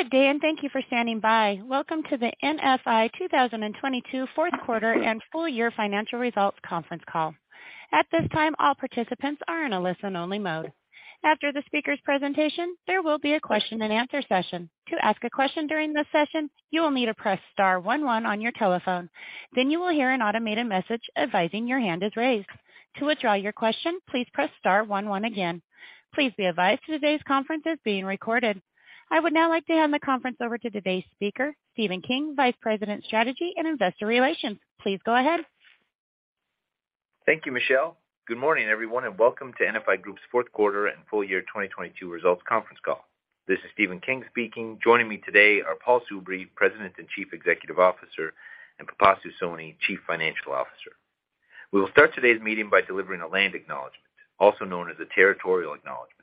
Good day. Thank you for standing by. Welcome to the NFI 2022 Q4 and Full year Financial results Conference Call. At this time, all participants are in a listen only mode. After the speaker's presentation, there will be a Q&A session. To ask a question during this session, you will need to press star one one on your telephone. You will hear an automated message advising your hand is raised. To withdraw your question, please press star one one again. Please be advised today's conference is being recorded. I would now like to hand the conference over to today's speaker, Stephen King, Vice President, Strategy and Investor Relations. Please go ahead. Thank you, Michelle. Good morning, everyone, and welcome to NFI Group's Q4 and full year 2022 results conference call. This is Stephen King speaking. Joining me today are Paul Soubry, President and Chief Executive Officer, and Pipasu Soni, Chief Financial Officer. We will start today's meeting by delivering a land acknowledgement, also known as a territorial acknowledgement.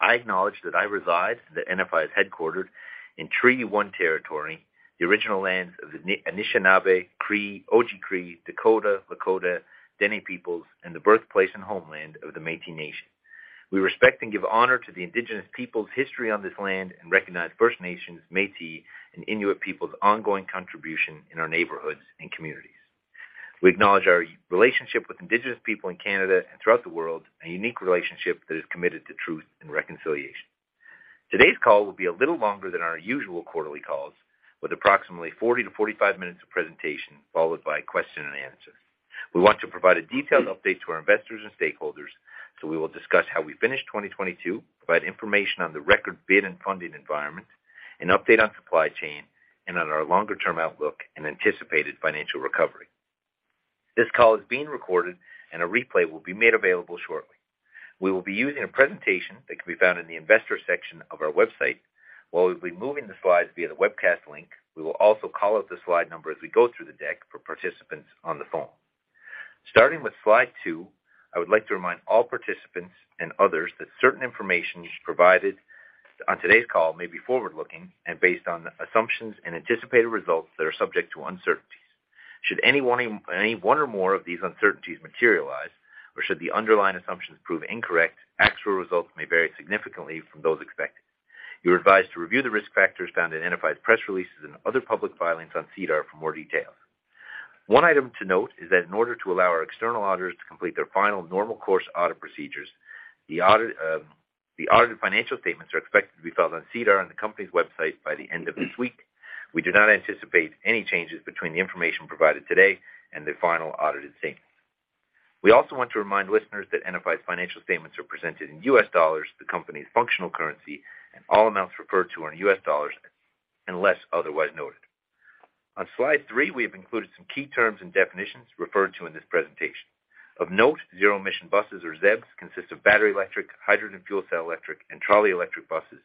I acknowledge that I reside, and that NFI is headquartered in Treaty One territory, the original lands of the Anishinaabe, Cree, Oji-Cree, Dakota, Lakota, Dene peoples, and the birthplace and homeland of the Métis nation. We respect and give honor to the indigenous people's history on this land and recognize First Nations, Métis, and Inuit people's ongoing contribution in our neighborhoods and communities. We acknowledge our relationship with indigenous people in Canada and throughout the world, a unique relationship that is committed to truth and reconciliation. Today's call will be a little longer than our usual quarterly calls, with approximately 40 to 45 minutes of presentation, followed by question and answer. We want to provide a detailed update to our investors and stakeholders, so we will discuss how we finished 2022, provide information on the record bid and funding environment, an update on supply chain, and on our longer term outlook and anticipated financial recovery. This call is being recorded and a replay will be made available shortly. We will be using a presentation that can be found in the investor section of our website. While we'll be moving the slides via the webcast link, we will also call out the slide number as we go through the deck for participants on the phone. Starting with slide two, I would like to remind all participants and others that certain information provided on today's call may be forward-looking and based on assumptions and anticipated results that are subject to uncertainties. Should any one or more of these uncertainties materialize, or should the underlying assumptions prove incorrect, actual results may vary significantly from those expected. You're advised to review the risk factors found in NFI's press releases and other public filings on SEDAR for more details. One item to note is that in order to allow our external auditors to complete their final normal course audit procedures, the audited financial statements are expected to be filed on SEDAR on the company's website by the end of this week. We do not anticipate any changes between the information provided today and the final audited statements. We also want to remind listeners that NFI's financial statements are presented in US dollars, the company's functional currency, and all amounts referred to are in US dollars unless otherwise noted. On slide three, we have included some key terms and definitions referred to in this presentation. Of note, zero-emission buses or ZEB consist of battery, electric, hydrogen fuel cell, electric, and trolley electric buses.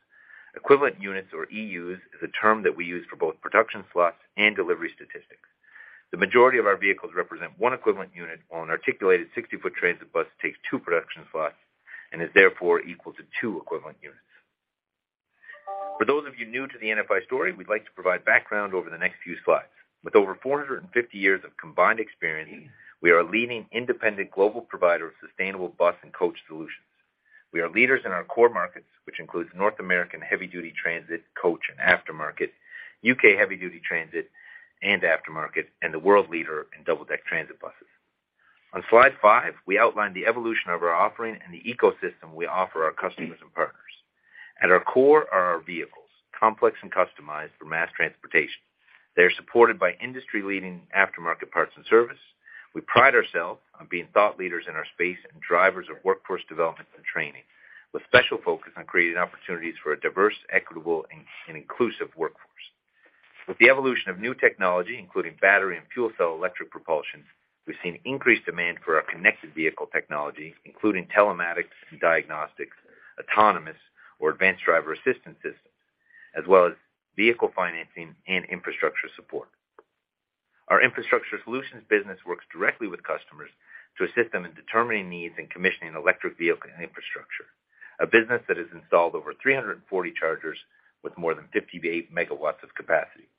Equivalent units or EUs is a term that we use for both production slots and delivery statistics. The majority of our vehicles represent one equivalent unit, while an articulated 60-foot transit bus takes two production slots and is therefore equal to two equivalent units. For those of you new to the NFI story, we'd like to provide background over the next few slides. With over 450 years of combined experience, we are a leading independent global provider of sustainable bus and coach solutions. We are leaders in our core markets, which includes North American heavy duty transit, coach and aftermarket, U.K. heavy duty transit and aftermarket, and the world leader in double deck transit buses. On slide five, we outlined the evolution of our offering and the ecosystem we offer our customers and partners. At our core are our vehicles, complex and customized for mass transportation. They are supported by industry leading aftermarket parts and service. We pride ourselves on being thought leaders in our space and drivers of workforce development and training, with special focus on creating opportunities for a diverse, equitable, and inclusive workforce. With the evolution of new technology, including battery and fuel cell electric propulsion, we've seen increased demand for our connected vehicle technology, including telematics and diagnostics, autonomous or advanced driver assistance systems, as well as vehicle financing and infrastructure support. Our infrastructure solutions business works directly with customers to assist them in determining needs and commissioning electric vehicle and infrastructure, a business that has installed over 340 chargers with more than 58 MW of capacity.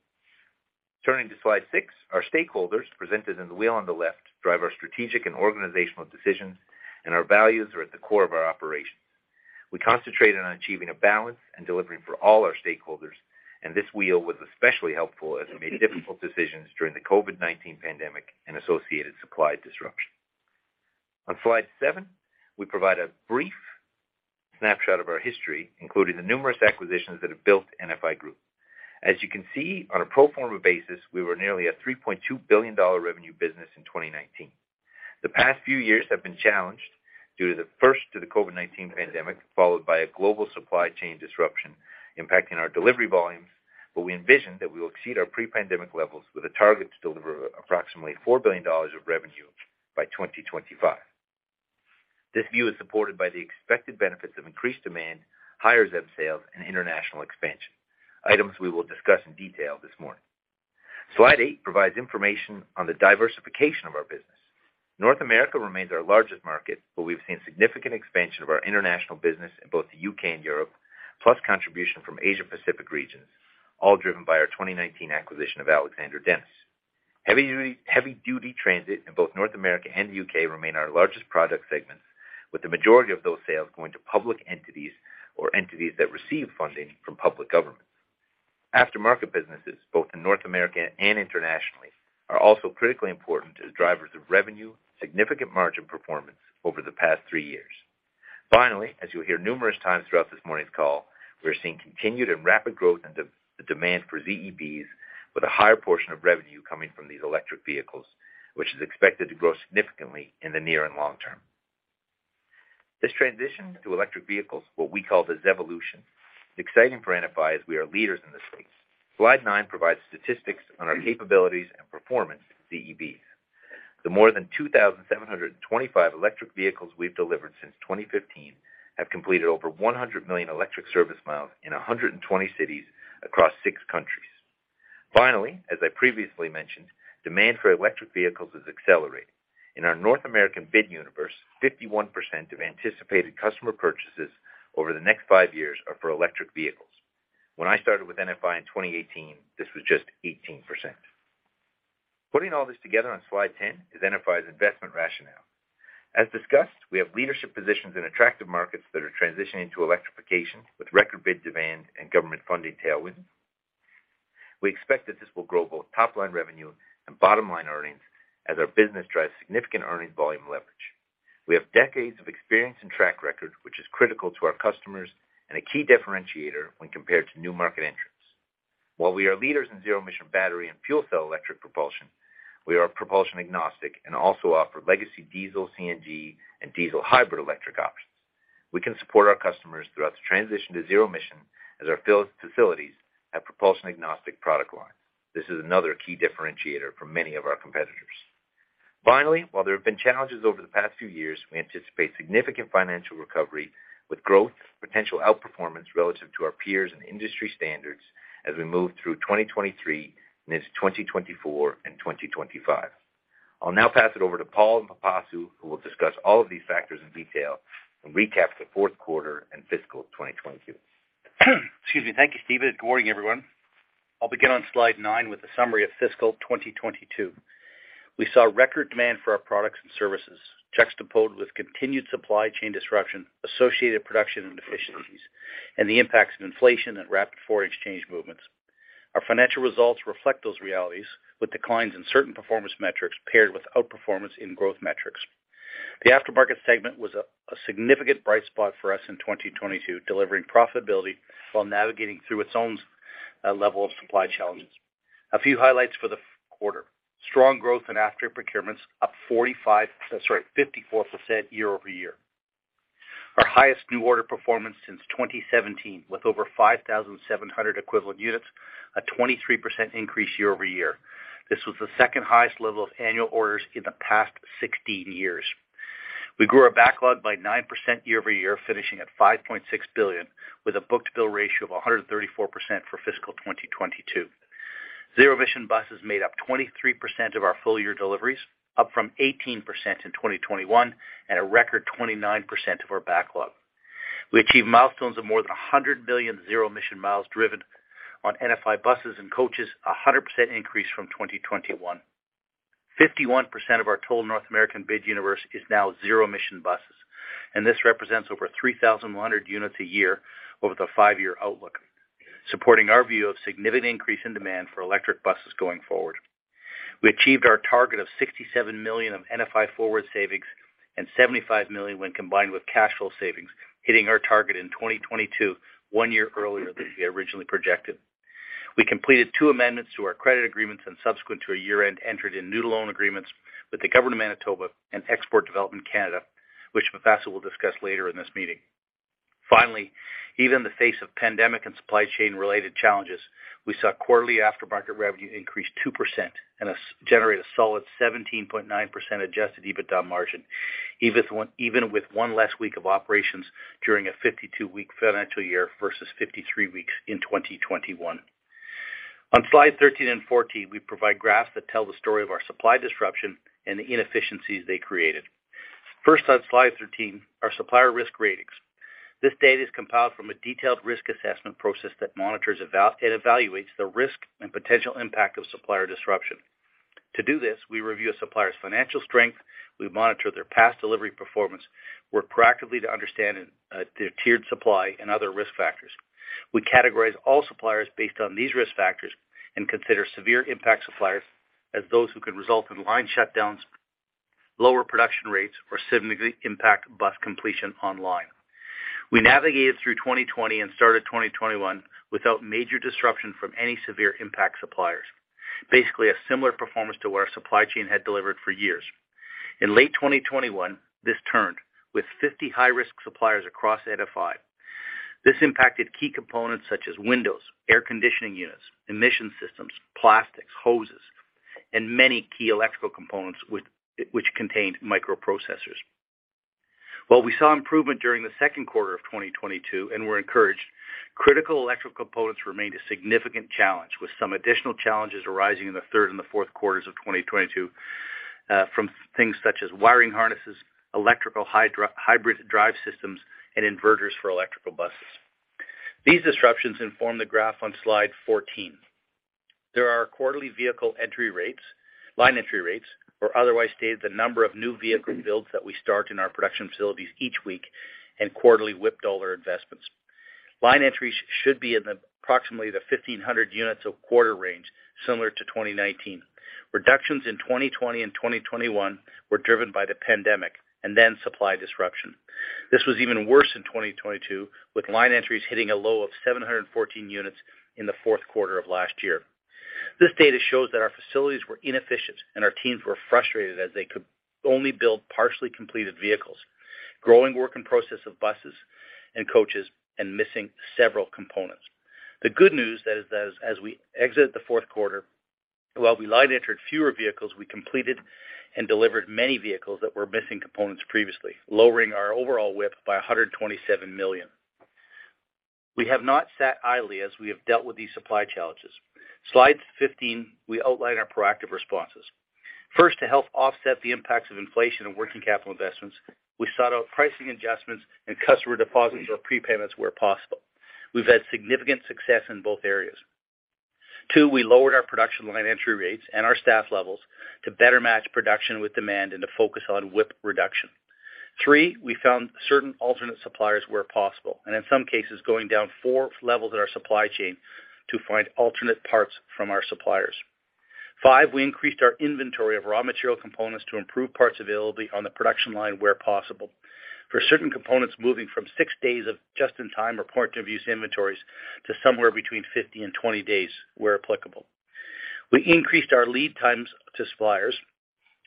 Turning to slide six, our stakeholders, presented in the wheel on the left, drive our strategic and organizational decisions, and our values are at the core of our operations. We concentrate on achieving a balance and delivering for all our stakeholders, and this wheel was especially helpful as we made difficult decisions during the COVID-19 pandemic and associated supply disruption. On slide seven, we provide a brief snapshot of our history, including the numerous acquisitions that have built NFI Group. As you can see, on a pro forma basis, we were nearly a $3.2 billion revenue business in 2019. The past few years have been challenged due to the COVID-19 pandemic, followed by a global supply chain disruption impacting our delivery volumes. We envision that we will exceed our pre-pandemic levels with a target to deliver approximately $4 billion of revenue by 2025. This view is supported by the expected benefits of increased demand, higher ZEB sales and international expansion, items we will discuss in detail this morning. Slide 8 provides information on the diversification of our business. North America remains our largest market, but we've seen significant expansion of our international business in both the U.K. and Europe, plus contribution from Asia Pacific regions, all driven by our 2019 acquisition of Alexander Dennis. Heavy-duty transit in both North America and the U.K. remain our largest product segments, with the majority of those sales going to public entities or entities that receive funding from public governments. Aftermarket businesses, both in North America and internationally, are also critically important to the drivers of revenue, significant margin performance over the past three years. Finally, as you'll hear numerous times throughout this morning's call, we're seeing continued and rapid growth in the demand for ZEB, with a higher portion of revenue coming from these electric vehicles, which is expected to grow significantly in the near and long term. This transition to electric vehicles, what we call the ZEvolution, exciting for NFI as we are leaders in this space. Slide nine provides statistics on our capabilities and performance in ZEB. The more than 2,725 electric vehicles we've delivered since 2015 have completed over 100 million electric service miles in 120 cities across six countries. Finally, as I previously mentioned, demand for electric vehicles is accelerating. In our North American bid universe, 51% of anticipated customer purchases over the next five years are for electric vehicles. When I started with NFI in 2018, this was just 18%. Putting all this together on slide 10 is NFI's investment rationale. As discussed, we have leadership positions in attractive markets that are transitioning to electrification with record bid demand and government funding tailwinds. We expect that this will grow both top-line revenue and bottom-line earnings as our business drives significant earnings volume leverage. We have decades of experience and track record, which is critical to our customers and a key differentiator when compared to new market entrants. While we are leaders in zero-emission battery and fuel cell electric propulsion, we are propulsion agnostic and also offer legacy diesel, CNG, and diesel hybrid electric options. We can support our customers throughout the transition to zero-emission as our facilities have propulsion agnostic product lines. This is another key differentiator from many of our competitors. Finally, while there have been challenges over the past few years, we anticipate significant financial recovery with growth, potential outperformance relative to our peers and industry standards as we move through 2023 and into 2024 and 2025. I'll now pass it over to Paul, Pipasu who will discuss all of these factors in detail and recap the Q4 and fiscal 2022. Excuse me. Thank you, Stephen. Good morning, everyone. I'll begin on slide nine with a summary of fiscal 2022. We saw record demand for our products and services juxtaposed with continued supply chain disruption, associated production inefficiencies, and the impacts of inflation and rapid foreign exchange movements. Our financial results reflect those realities with declines in certain performance metrics paired with outperformance in growth metrics. The aftermarket segment was a significant bright spot for us in 2022, delivering profitability while navigating through its own level of supply challenges. A few highlights for the quarter. Strong growth in after procurements, up 45, sorry, 54% year-over-year. Our highest new order performance since 2017, with over 5,700 equivalent units, a 23% increase year-over-year. This was the second highest level of annual orders in the past 16 years. We grew our backlog by 9% year-over-year, finishing at $5.6 billion, with a book-to-bill ratio of 134% for fiscal 2022. Zero-emission buses made up 23% of our full year deliveries, up from 18% in 2021, and a record 29% of our backlog. We achieved milestones of more than 100 million zero-emission miles driven on NFI buses and coaches, a 100% increase from 2021. 51% of our total North American bid universe is now zero-emission buses. This represents over 3,100 units a year over the five-year outlook, supporting our view of significant increase in demand for electric buses going forward. We achieved our target of $67 million of NFI Forward savings and $75 million when combined with cash flow savings, hitting our target in 2022, one year earlier than we originally projected. We completed two amendments to our credit agreements and subsequent to a year-end, entered in new loan agreements with the Government of Manitoba and Export Development Canada, which Pipasu will discuss later in this meeting. Even in the face of pandemic and supply chain related challenges, we saw quarterly aftermarket revenue increase 2% and generate a solid 17.9% Adjusted EBITDA margin, even with one less week of operations during a 52-week financial year versus 53 weeks in 2021. On slide 13 and 14, we provide graphs that tell the story of our supply disruption and the inefficiencies they created. First on slide 13, our supplier risk ratings. This data is compiled from a detailed risk assessment process that monitors and evaluates the risk and potential impact of supplier disruption. To do this, we review a supplier's financial strength, we monitor their past delivery performance, work proactively to understand their tiered supply and other risk factors. We categorize all suppliers based on these risk factors and consider severe impact suppliers as those who could result in line shutdowns, lower production rates, or significantly impact bus completion online. We navigated through 2020 and started 2021 without major disruption from any severe impact suppliers. Basically, a similar performance to what our supply chain had delivered for years. In late 2021, this turned with 50 high-risk suppliers across NFI. This impacted key components such as windows, air conditioning units, emission systems, plastics, hoses, and many key electrical components which contained microprocessors. While we saw improvement during the Q2 of 2022 and were encouraged, critical electrical components remained a significant challenge, with some additional challenges arising in the third and the Q4s of 2022 from things such as wiring harnesses, electrical hybrid drive systems, and inverters for electrical buses. These disruptions inform the graph on slide 14. There are quarterly vehicle entry rates, line entry rates, or otherwise stated, the number of new vehicle builds that we start in our production facilities each week and quarterly WIP dollar investments. Line entries should be in approximately the 1,500 units of quarter range, similar to 2019. Reductions in 2020 and 2021 were driven by the pandemic and then supply disruption. This was even worse in 2022, with line entries hitting a low of 714 units in the Q4 of last year. This data shows that our facilities were inefficient and our teams were frustrated as they could only build partially completed vehicles, growing work in process of buses and coaches and missing several components. The good news that is that as we exit the Q4, while we line entered fewer vehicles, we completed and delivered many vehicles that were missing components previously, lowering our overall WIP by $127 million. We have not sat idly as we have dealt with these supply challenges. Slide 15, we outline our proactive responses. First, to help offset the impacts of inflation and working capital investments, we sought out pricing adjustments and customer deposits or prepayments where possible. We've had significant success in both areas. Two, we lowered our production line entry rates and our staff levels to better match production with demand and to focus on WIP reduction. Three, we found certain alternate suppliers where possible, and in some cases, going down four levels in our supply chain to find alternate parts from our suppliers. Five, we increased our inventory of raw material components to improve parts availability on the production line where possible. For certain components, moving from six days of just-in-time or point of use inventories to somewhere between 50 and 20 days where applicable. We increased our lead times to suppliers.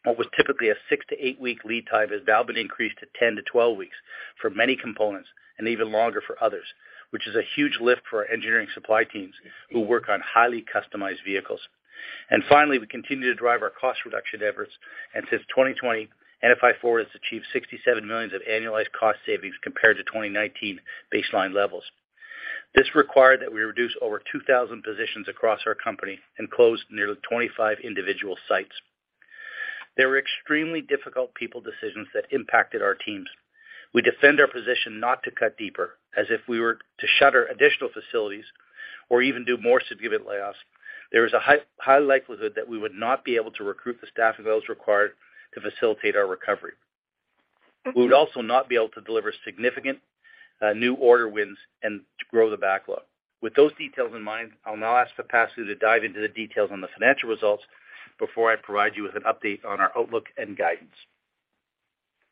What was typically a six to eight week lead time has now been increased to 10 to 12 weeks for many components and even longer for others, which is a huge lift for our engineering supply teams who work on highly customized vehicles. Finally, we continue to drive our cost reduction efforts, and since 2020, NFI Forward has achieved $67 million of annualized cost savings compared to 2019 baseline levels. This required that we reduce over 2,000 positions across our company and close nearly 25 individual sites. There were extremely difficult people decisions that impacted our teams. We defend our position not to cut deeper, as if we were to shutter additional facilities or even do more significant layoffs. There is a high likelihood that we would not be able to recruit the staff of those required to facilitate our recovery. We would also not be able to deliver significant new order wins and to grow the backlog. With those details in mind, I'll now ask Pipasu to dive into the details on the financial results before I provide you with an update on our outlook and guidance.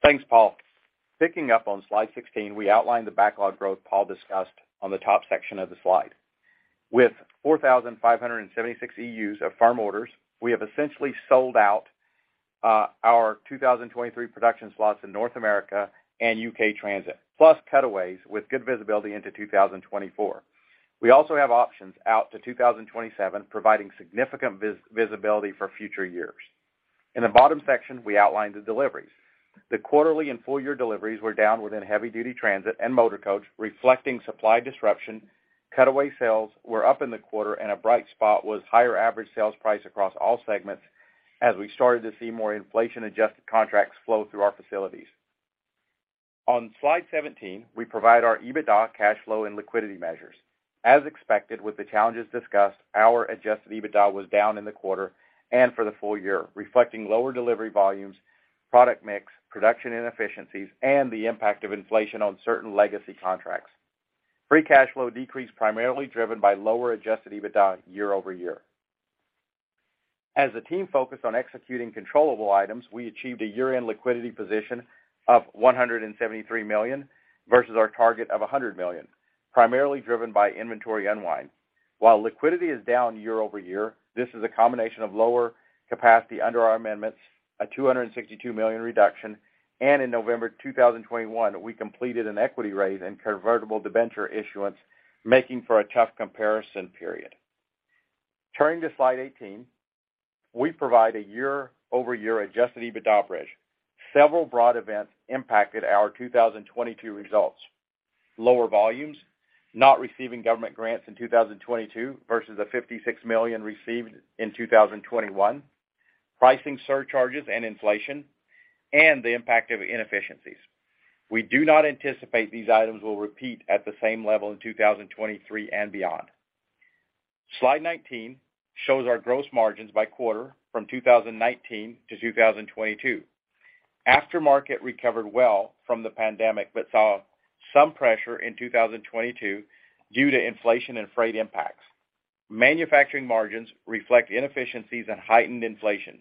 Thanks, Paul. Picking up on slide 16, we outlined the backlog growth Paul discussed on the top section of the slide. With 4,576 EUs of firm orders, we have essentially sold out our 2023 production slots in North America and U.K. Transit, plus Cutaways with good visibility into 2024. We also have options out to 2027, providing significant visibility for future years. In the bottom section, we outlined the deliveries. The quarterly and full-year deliveries were down within heavy-duty transit and motor coach, reflecting supply disruption. Cutaway sales were up in the quarter and a bright spot was higher average sales price across all segments as we started to see more inflation-adjusted contracts flow through our facilities. On slide 17, we provide our EBITDA cash flow and liquidity measures. As expected, with the challenges discussed, our Adjusted EBITDA was down in the quarter and for the full year, reflecting lower delivery volumes, product mix, production inefficiencies, and the impact of inflation on certain legacy contracts. Free cash flow decreased primarily driven by lower Adjusted EBITDA year-over-year. As the team focused on executing controllable items, we achieved a year-end liquidity position of $173 million versus our target of $100 million, primarily driven by inventory unwind. While liquidity is down year-over-year, this is a combination of lower capacity under our amendments, a $262 million reduction, and in November 2021, we completed an equity raise and convertible debenture issuance, making for a tough comparison period. Turning to slide 18, we provide a year-over-year Adjusted EBITDA bridge. Several broad events impacted our 2022 results. Lower volumes, not receiving government grants in 2022 versus the $56 million received in 2021, pricing surcharges and inflation, the impact of inefficiencies. We do not anticipate these items will repeat at the same level in 2023 and beyond. Slide 19 shows our gross margins by quarter from 2019 to 2022. Aftermarket recovered well from the pandemic, saw some pressure in 2022 due to inflation and freight impacts. Manufacturing margins reflect inefficiencies and heightened inflation.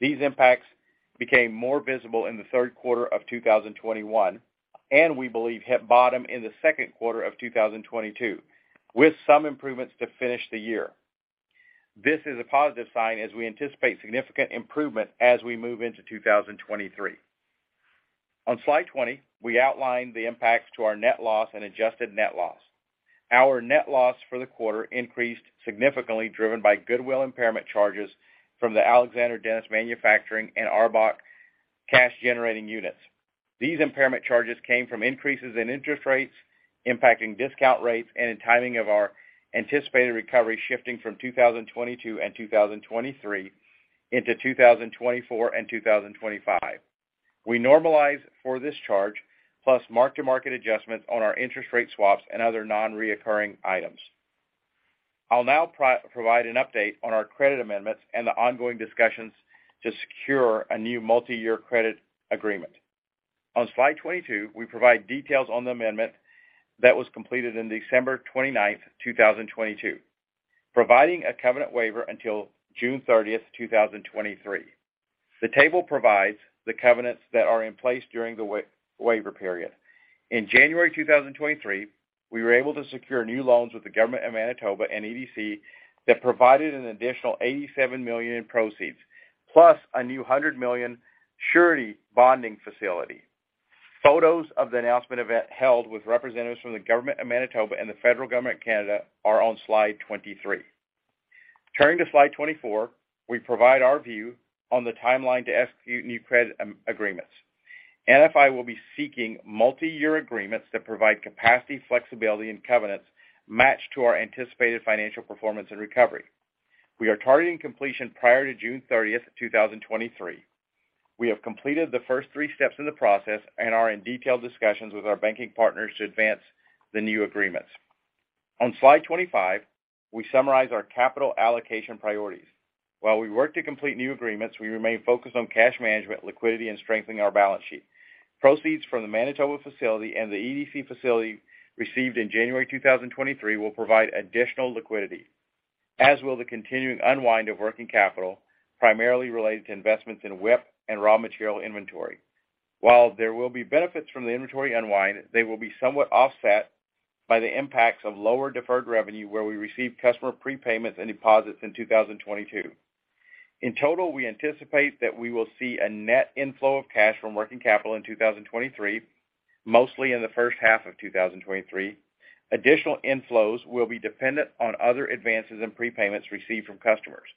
These impacts became more visible in the Q3 of 2021, we believe hit bottom in the Q2 of 2022, with some improvements to finish the year. This is a positive sign as we anticipate significant improvement as we move into 2023. On slide 20, we outlined the impacts to our net loss and adjusted net loss. Our net loss for the quarter increased significantly, driven by goodwill impairment charges from the Alexander Dennis manufacturing and ARBOC cash-generating units. These impairment charges came from increases in interest rates, impacting discount rates and timing of our anticipated recovery shifting from 2022 and 2023 into 2024 and 2025. We normalize for this charge plus mark-to-market adjustments on our interest rate swaps and other non-recurring items. I'll now provide an update on our credit amendments and the ongoing discussions to secure a new multi-year credit agreement. On slide 22, we provide details on the amendment that was completed in December 29th, 2022, providing a covenant waiver until June 30th, 2023. The table provides the covenants that are in place during the waiver period. In January 2023, we were able to secure new loans with the Government of Manitoba and EDC that provided an additional $87 million in proceeds, plus a new $100 million surety bonding facility. Photos of the announcement event held with representatives from the Government of Manitoba and the federal government of Canada are on slide 23. Turning to slide 24, we provide our view on the timeline to execute new credit agreements. NFI will be seeking multi-year agreements that provide capacity, flexibility, and covenants matched to our anticipated financial performance and recovery. We are targeting completion prior to June 30th, 2023. We have completed the first three steps in the process and are in detailed discussions with our banking partners to advance the new agreements. On slide 25, we summarize our capital allocation priorities. While we work to complete new agreements, we remain focused on cash management, liquidity, and strengthening our balance sheet. Proceeds from the Manitoba facility and the EDC facility received in January 2023 will provide additional liquidity, as will the continuing unwind of working capital, primarily related to investments in WIP and raw material inventory. While there will be benefits from the inventory unwind, they will be somewhat offset by the impacts of lower deferred revenue where we received customer prepayments and deposits in 2022. In total, we anticipate that we will see a net inflow of cash from working capital in 2023, mostly in the first half of 2023. Additional inflows will be dependent on other advances in prepayments received from customers.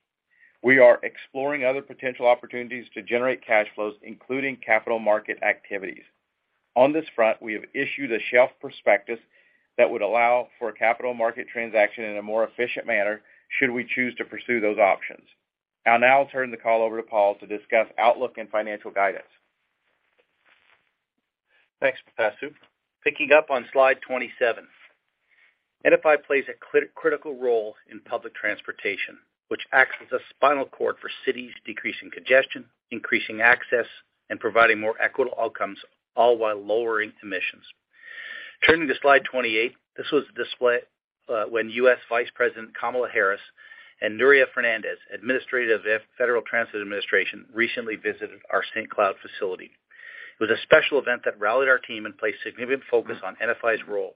We are exploring other potential opportunities to generate cash flows, including capital market activities. On this front, we have issued a shelf prospectus that would allow for a capital market transaction in a more efficient manner should we choose to pursue those options. I'll now turn the call over to Paul to discuss outlook and financial guidance. Thanks, Pipasu. Picking up on slide 27, NFI plays a critical role in public transportation, which acts as a spinal cord for cities, decreasing congestion, increasing access, and providing more equitable outcomes, all while lowering emissions. Turning to slide 28, this was displayed when U.S. Vice President Kamala Harris and Nuria Fernandez, Administrator of the Federal Transit Administration, recently visited our St. Cloud facility. It was a special event that rallied our team and placed significant focus on NFI's role.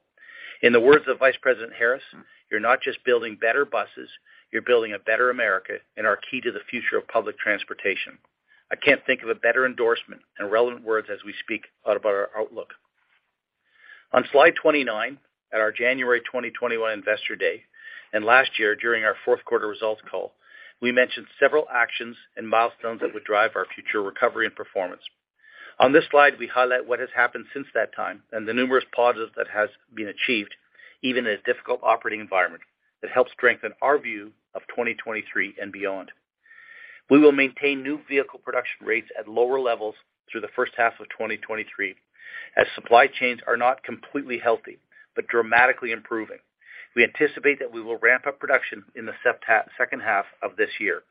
In the words of Vice President Harris, "You're not just building better buses, you're building a better America and are key to the future of public transportation." I can't think of a better endorsement and relevant words as we speak out about our outlook. On slide 29, at our January 2021 Investor Day, last year during our Q4 results call, we mentioned several actions and milestones that would drive our future recovery and performance. On this slide, we highlight what has happened since that time and the numerous positives that has been achieved, even in a difficult operating environment that helps strengthen our view of 2023 and beyond. We will maintain new vehicle production rates at lower levels through the first half of 2023, as supply chains are not completely healthy but dramatically improving. We anticipate that we will ramp up production in the second half of this year.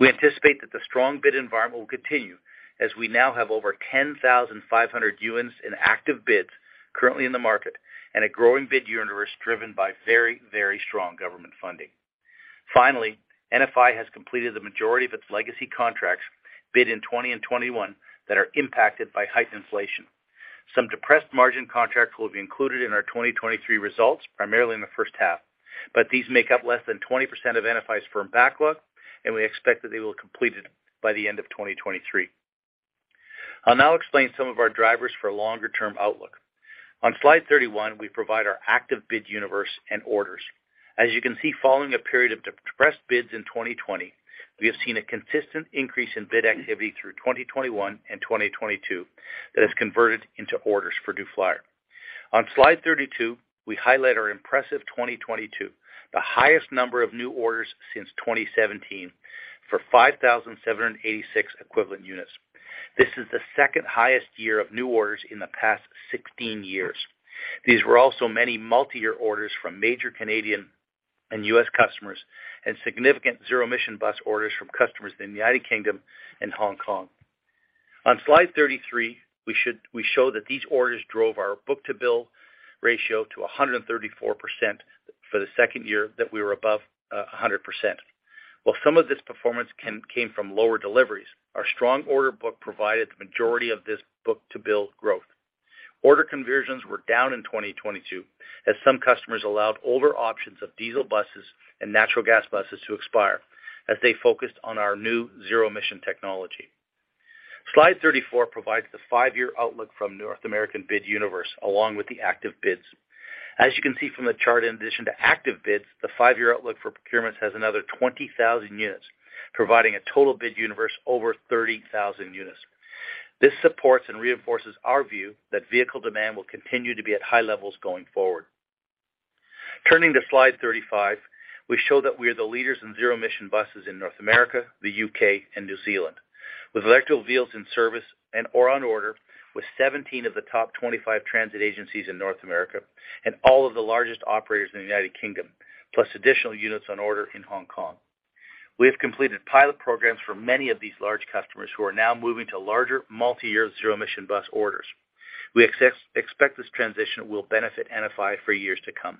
We anticipate that the strong bid environment will continue as we now have over 10,500 units in active bids currently in the market and a growing bid universe driven by very strong government funding. NFI has completed the majority of its legacy contracts bid in 2020 and 2021 that are impacted by heightened inflation. Some depressed margin contracts will be included in our 2023 results, primarily in the first half, but these make up less than 20% of NFI's firm backlog, and we expect that they will be completed by the end of 2023. I'll now explain some of our drivers for longer-term outlook. On slide 31, we provide our active bid universe and orders. As you can see, following a period of depressed bids in 2020, we have seen a consistent increase in bid activity through 2021 and 2022 that has converted into orders for New Flyer. On slide 32, we highlight our impressive 2022, the highest number of new orders since 2017, for 5,786 equivalent units. This is the second highest year of new orders in the past 16 years. These were also many multi-year orders from major Canadian and U.S. customers and significant zero-emission bus orders from customers in the United Kingdom and Hong Kong. On slide 33, we show that these orders drove our book-to-bill ratio to 134% for the second year that we were above 100%. While some of this performance came from lower deliveries, our strong order book provided the majority of this book-to-bill growth. Order conversions were down in 2022, as some customers allowed older options of diesel buses and natural gas buses to expire as they focused on our new zero-emission technology. Slide 34 provides the five-year outlook from North American bid universe along with the active bids. As you can see from the chart, in addition to active bids, the five-year outlook for procurements has another 20,000 units, providing a total bid universe over 30,000 units. This supports and reinforces our view that vehicle demand will continue to be at high levels going forward. Turning to slide 35, we show that we are the leaders in zero-emission buses in North America, the U.K., and New Zealand, with electric wheels in service and or on order with 17 of the top 25 transit agencies in North America and all of the largest operators in the United Kingdom, plus additional units on order in Hong Kong. We have completed pilot programs for many of these large customers who are now moving to larger multi-year zero-emission bus orders. We expect this transition will benefit NFI for years to come.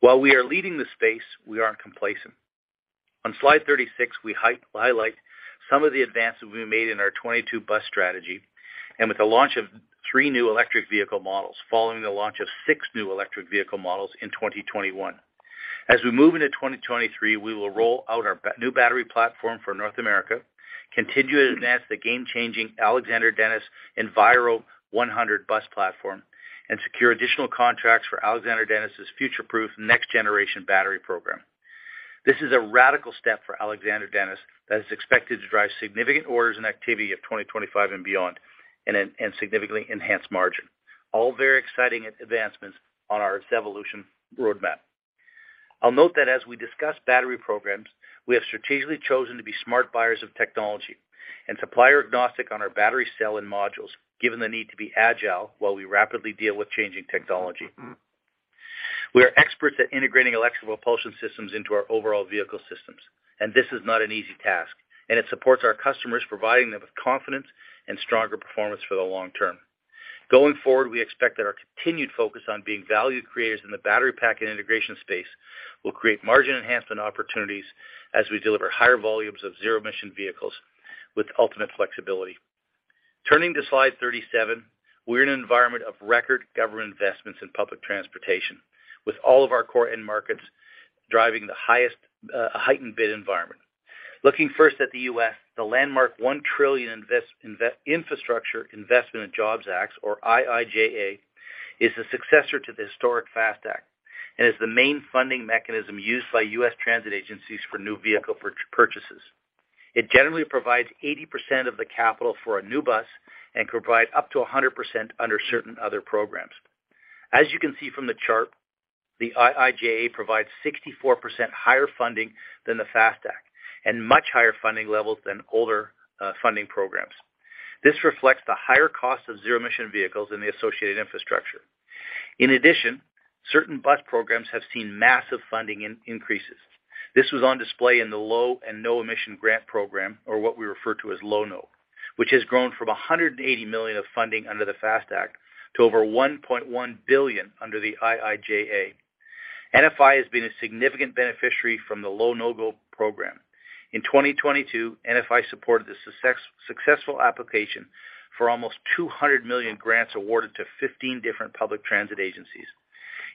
While we are leading the space, we aren't complacent. On slide 36, we highlight some of the advances we made in our 2022 bus strategy and with the launch of three new electric vehicle models following the launch of six new electric vehicle models in 2021. As we move into 2023, we will roll out our new battery platform for North America, continue to advance the game changing Alexander Dennis Enviro100 bus platform and secure additional contracts for Alexander Dennis's future-proof next generation battery program. This is a radical step for Alexander Dennis that is expected to drive significant orders and activity of 2025 and beyond, and significantly enhance margin. All very exciting advancements on our ZEvolution roadmap. I'll note that as we discuss battery programs, we have strategically chosen to be smart buyers of technology and supplier agnostic on our battery cell and modules, given the need to be agile while we rapidly deal with changing technology. We are experts at integrating electrical propulsion systems into our overall vehicle systems, and this is not an easy task, and it supports our customers, providing them with confidence and stronger performance for the long term. Going forward, we expect that our continued focus on being value creators in the battery pack and integration space will create margin enhancement opportunities as we deliver higher volumes of zero-emission vehicles with ultimate flexibility. Turning to slide 37, we're in an environment of record government investments in public transportation, with all of our core end markets driving the highest, a heightened bid environment. Looking first at the U.S., the landmark $1 trillion invest, Infrastructure Investment and Jobs Act, or IIJA, is the successor to the historic FAST Act and is the main funding mechanism used by U.S. transit agencies for new vehicle purchases. It generally provides 80% of the capital for a new bus and can provide up to 100% under certain other programs. As you can see from the chart, the IIJA provides 64% higher funding than the FAST Act and much higher funding levels than older funding programs. This reflects the higher cost of zero-emission vehicles in the associated infrastructure. In addition, certain bus programs have seen massive funding increases. This was on display in the Low or No Emission Grant Program, or what we refer to as Low No, which has grown from $180 million of funding under the FAST Act to over $1.1 billion under the IIJA. NFI has been a significant beneficiary from the Low No program. In 2022, NFI supported the successful application for almost $200 million grants awarded to 15 different public transit agencies.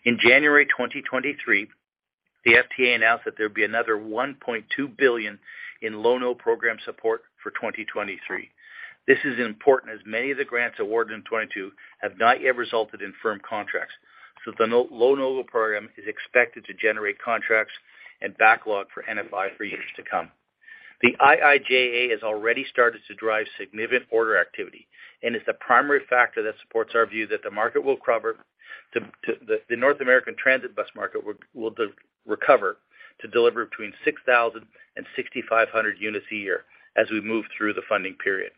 In January 2023, the FTA announced that there'd be another $1.2 billion in Low No program support for 2023. This is important as many of the grants awarded in 2022 have not yet resulted in firm contracts. The Low No program is expected to generate contracts and backlog for NFI for years to come. The IIJA has already started to drive significant order activity and is the primary factor that supports our view that the North American transit bus market will recover to deliver between 6,000 and 6,500 units a year as we move through the funding period.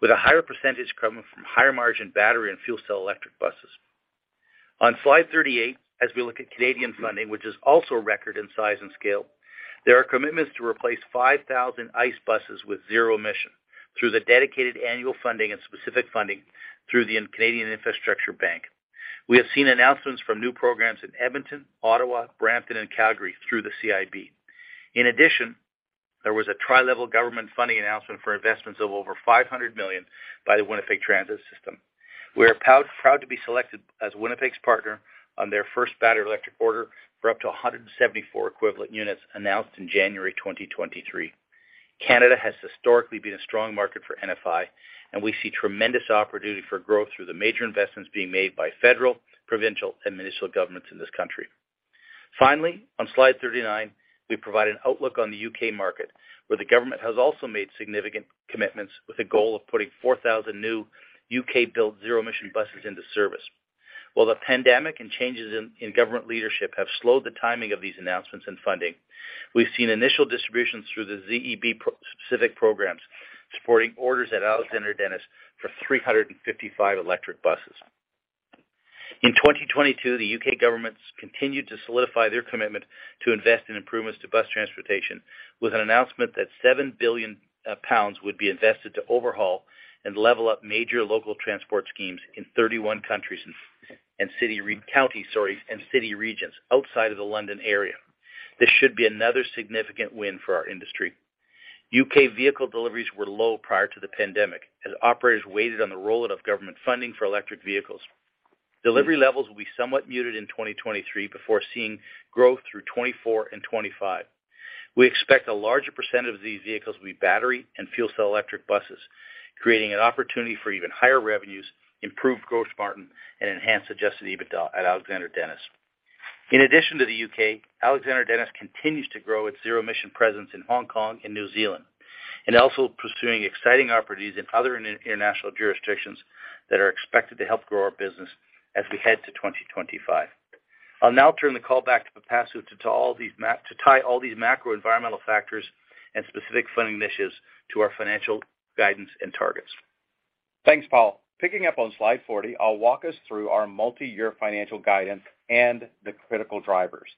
With a higher percentage coming from higher margin battery and fuel cell electric buses. On slide 38, as we look at Canadian funding, which is also record in size and scale, there are commitments to replace 5,000 ICE buses with zero emission through the dedicated annual funding and specific funding through the Canada Infrastructure Bank. We have seen announcements from new programs in Edmonton, Ottawa, Brampton and Calgary through the CIB. In addition, there was a tri-level government funding announcement for investments of over 500 million by the Winnipeg Transit system. We are proud to be selected as Winnipeg's partner on their first battery electric order for up to 174 equivalent units announced in January 2023. Canada has historically been a strong market for NFI, and we see tremendous opportunity for growth through the major investments being made by federal, provincial and municipal governments in this country. On slide 39, we provide an outlook on the UK market, where the government has also made significant commitments with a goal of putting 4,000 new U.K. built zero-emission buses into service. The pandemic and changes in government leadership have slowed the timing of these announcements and funding, we've seen initial distributions through the ZEB pro-specific programs supporting orders at Alexander Dennis for 355 electric buses. In 2022, the U.K. government's continued to solidify their commitment to invest in improvements to bus transportation with an announcement that 7 billion pounds would be invested to overhaul and level up major local transport schemes in 31 countries and city, county, sorry, and city regions outside of the London area. This should be another significant win for our industry. U.K. vehicle deliveries were low prior to the pandemic as operators waited on the rollout of government funding for electric vehicles. Delivery levels will be somewhat muted in 2023 before seeing growth through 2024 and 2025. We expect a larger percentage of these vehicles will be battery and fuel cell electric buses, creating an opportunity for even higher revenues, improved gross margin and enhanced Adjusted EBITDA at Alexander Dennis. In addition to the U.K., Alexander Dennis continues to grow its zero-emission presence in Hong Kong and New Zealand, also pursuing exciting opportunities in other international jurisdictions that are expected to help grow our business as we head to 2025. I'll now turn the call back to Pipasu to tie all these macro environmental factors and specific funding initiatives to our financial guidance and targets. Thanks, Paul. Picking up on slide 40, I'll walk us through our multi-year financial guidance and the critical drivers.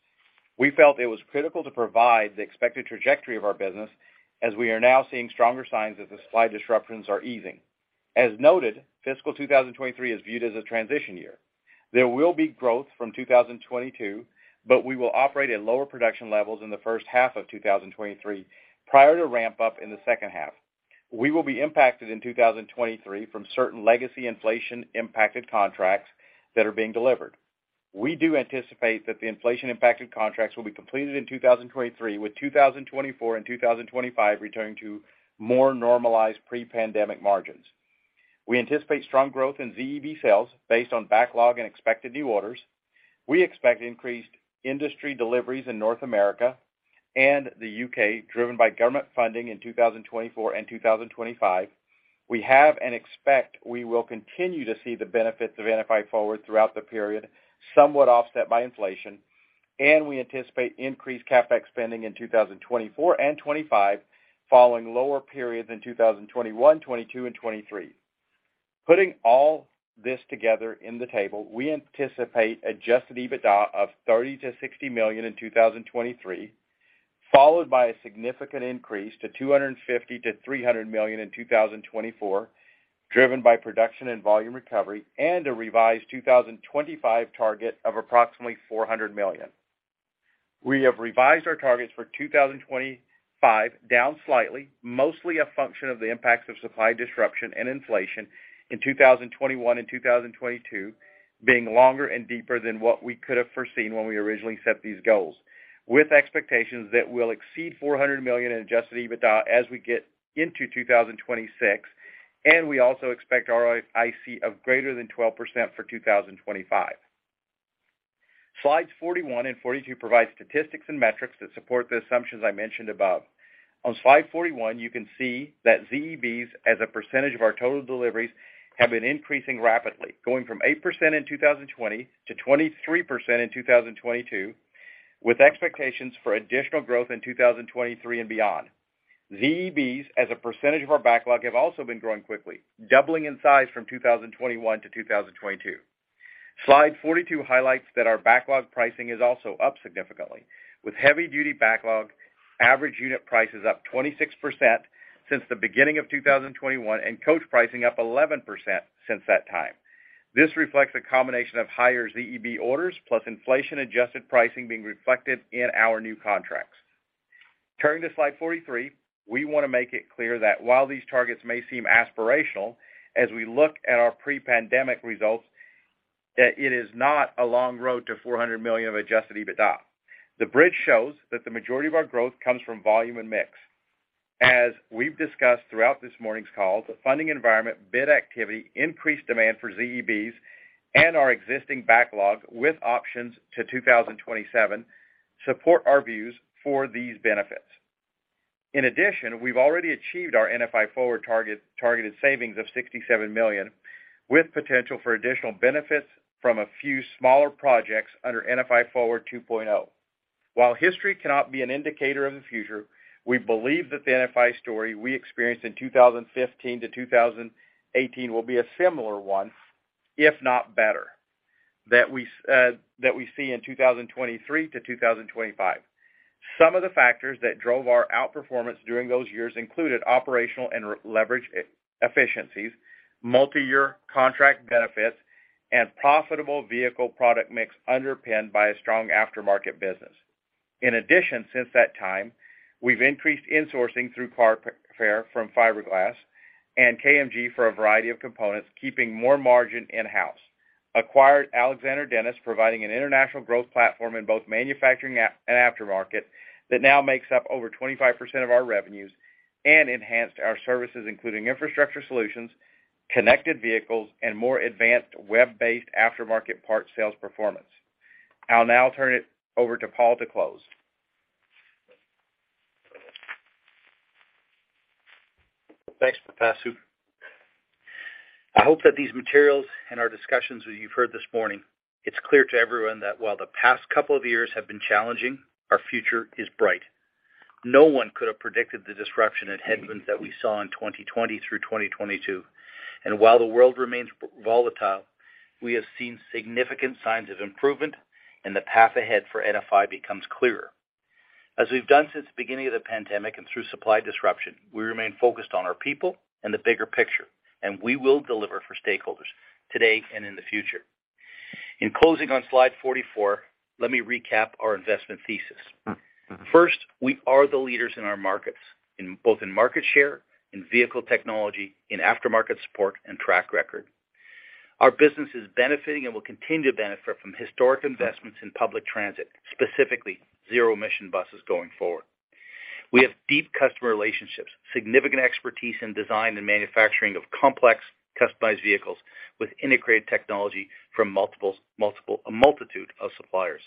We felt it was critical to provide the expected trajectory of our business as we are now seeing stronger signs that the supply disruptions are easing. As noted, fiscal 2023 is viewed as a transition year. There will be growth from 2022, but we will operate at lower production levels in the first half of 2023 prior to ramp up in the second half. We will be impacted in 2023 from certain legacy inflation impacted contracts that are being delivered. We do anticipate that the inflation impacted contracts will be completed in 2023, with 2024 and 2025 returning to more normalized pre-pandemic margins. We anticipate strong growth in ZEB sales based on backlog and expected new orders. We expect increased industry deliveries in North America and the UK, driven by government funding in 2024 and 2025. We have and expect we will continue to see the benefits of NFI Forward throughout the period, somewhat offset by inflation, and we anticipate increased CapEx spending in 2024 and 2025 following lower periods in 2021, 2022 and 2023. Putting all this together in the table, we anticipate Adjusted EBITDA of $30 million to $60 million in 2023, followed by a significant increase to $250 million to $300 million in 2024, driven by production and volume recovery, and a revised 2025 target of approximately $400 million. We have revised our targets for 2025 down slightly, mostly a function of the impacts of supply disruption and inflation in 2021 and 2022 being longer and deeper than what we could have foreseen when we originally set these goals. With expectations that we'll exceed $400 million in Adjusted EBITDA as we get into 2026, and we also expect ROIC of greater than 12% for 2025. Slides 41 and 42 provide statistics and metrics that support the assumptions I mentioned above. On slide 41, you can see that ZEBs as a percentage of our total deliveries have been increasing rapidly, going from 8% in 2020 to 23% in 2022, with expectations for additional growth in 2023 and beyond. ZEBs as a percentage of our backlog have also been growing quickly, doubling in size from 2021 to 2022. Slide 42 highlights that our backlog pricing is also up significantly. With heavy duty backlog, average unit price is up 26% since the beginning of 2021, and coach pricing up 11% since that time. This reflects a combination of higher ZEB orders plus inflation-adjusted pricing being reflected in our new contracts. Turning to slide 43, we want to make it clear that while these targets may seem aspirational, as we look at our pre-pandemic results, that it is not a long road to $400 million of Adjusted EBITDA. The bridge shows that the majority of our growth comes from volume and mix. As we've discussed throughout this morning's call, the funding environment, bid activity, increased demand for ZEB and our existing backlog with options to 2027 support our views for these benefits. In addition, we've already achieved our NFI Forward targeted savings of $67 million, with potential for additional benefits from a few smaller projects under NFI Forward 2.0. While history cannot be an indicator of the future, we believe that the NFI story we experienced in 2015 to 2018 will be a similar one, if not better, that we see in 2023 to 2025. Some of the factors that drove our outperformance during those years included operational and re-leverage efficiencies, multi-year contract benefits, and profitable vehicle product mix underpinned by a strong aftermarket business. In addition, since that time, we've increased insourcing through Carfair Composites from fiberglass and KMG for a variety of components, keeping more margin in-house. Acquired Alexander Dennis, providing an international growth platform in both manufacturing and aftermarket that now makes up over 25% of our revenues, and enhanced our services, including infrastructure solutions, connected vehicles and more advanced web-based aftermarket parts sales performance. I'll now turn it over to Paul to close. Thanks, Pipasu. I hope that these materials and our discussions that you've heard this morning, it's clear to everyone that while the past couple of years have been challenging, our future is bright. No one could have predicted the disruption and headwinds that we saw in 2020 through 2022. While the world remains volatile, we have seen significant signs of improvement and the path ahead for NFI becomes clearer. As we've done since the beginning of the pandemic and through supply disruption, we remain focused on our people and the bigger picture, and we will deliver for stakeholders today and in the future. In closing on slide 44, let me recap our investment thesis. First, we are the leaders in our markets, in both market share, in vehicle technology, in aftermarket support and track record. Our business is benefiting and will continue to benefit from historic investments in public transit, specifically zero-emission buses going forward. We have deep customer relationships, significant expertise in design and manufacturing of complex customized vehicles with integrated technology from a multitude of suppliers.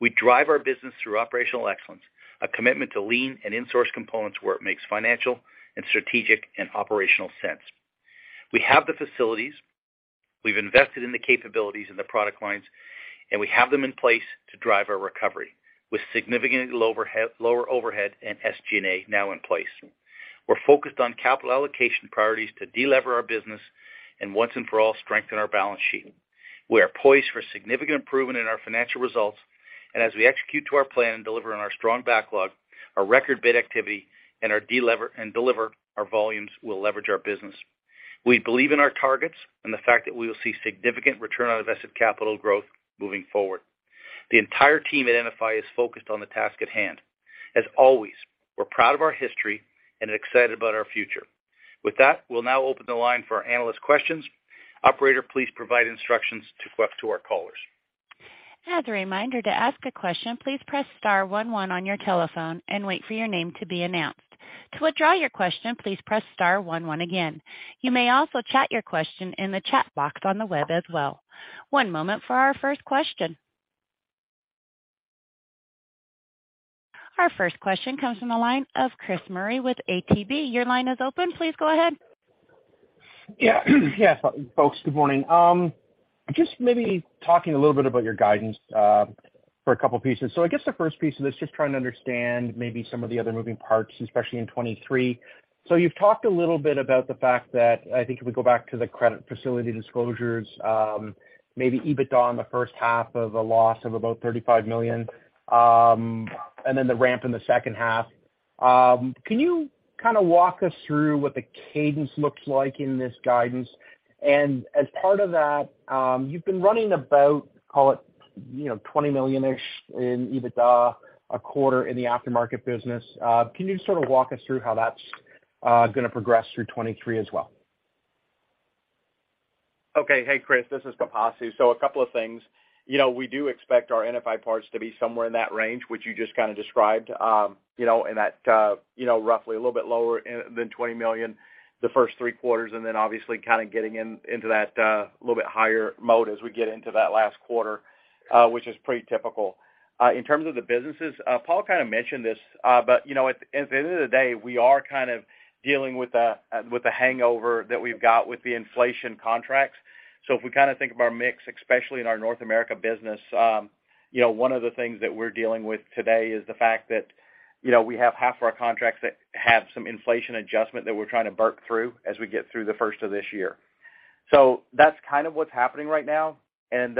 We drive our business through operational excellence, a commitment to lean and insource components where it makes financial and strategic and operational sense. We have the facilities, we've invested in the capabilities and the product lines, and we have them in place to drive our recovery with significantly lower overhead and SG&A now in place. We're focused on capital allocation priorities to de-lever our business and once and for all strengthen our balance sheet. We are poised for significant improvement in our financial results. As we execute to our plan and deliver on our strong backlog, our record bid activity and deliver our volumes will leverage our business. We believe in our targets and the fact that we will see significant return on invested capital growth moving forward. The entire team at NFI is focused on the task at hand. As always, we're proud of our history and excited about our future. With that, we'll now open the line for our analyst questions. Operator, please provide instructions to our callers. As a reminder, to ask a question, please press star one, one on your telephone and wait for your name to be announced. To withdraw your question, please press star one, one again. You may also chat your question in the chat box on the web as well. One moment for our first question. Our first question comes from the line of Chris Murray with ATB. Your line is open. Please go ahead. Yeah. Yes, folks, good morning. Just maybe talking a little bit about your guidance for a couple pieces. I guess the first piece of this, just trying to understand maybe some of the other moving parts, especially in 2023. You've talked a little bit about the fact that I think if we go back to the credit facility disclosures, maybe EBITDA in the first half of a loss of about $35 million, and then the ramp in the second half. Can you kinda walk us through what the cadence looks like in this guidance? As part of that, you've been running about, call it, you know, $20 million-ish in EBITDA a quarter in the aftermarket business. Can you sort of walk us through how that's gonna progress through 2023 as well? Okay. Hey, Chris, this is Pipasu. A couple of things. You know, we do expect our NFI Parts to be somewhere in that range, which you just kind of described, you know, in that, you know, roughly a little bit lower than $20 million the first three quarters, and then obviously kind of getting into that, little bit higher mode as we get into that last quarter, which is pretty typical. In terms of the businesses, Paul kind of mentioned this, you know, at the end of the day, we are kind of dealing with a, with a hangover that we've got with the inflation contracts. If we kinda think of our mix, especially in our North America business, you know, one of the things that we're dealing with today is the fact that, you know, we have half of our contracts that have some inflation adjustment that we're trying to work through as we get through the first of this year. That's kind of what's happening right now and,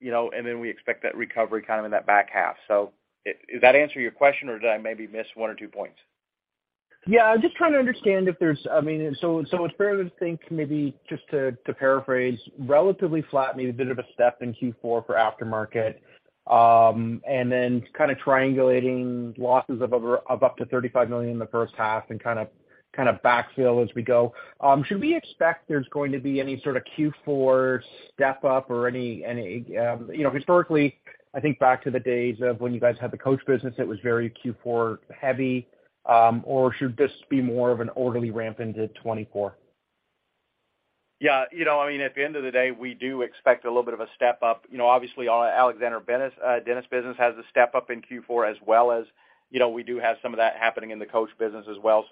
you know, and then we expect that recovery kind of in that back half. Did that answer your question, or did I maybe miss one or two points? Yeah. Just trying to understand. I mean, it's fair to think maybe just to paraphrase, relatively flat, maybe a bit of a step in Q4 for aftermarket, and then kind of triangulating losses of up to $35 million in the first half and kind of backfill as we go. Should we expect there's going to be any sort of Q4 step up or any? You know, historically, I think back to the days of when you guys had the coach business, it was very Q4 heavy. Or should this be more of an orderly ramp into 2024? Yeah. You know, I mean, at the end of the day, we do expect a little bit of a step up. You know, obviously our Alexander Dennis business has a step up in Q4 as well, as, you know, we do have some of that happening in the coach business as well.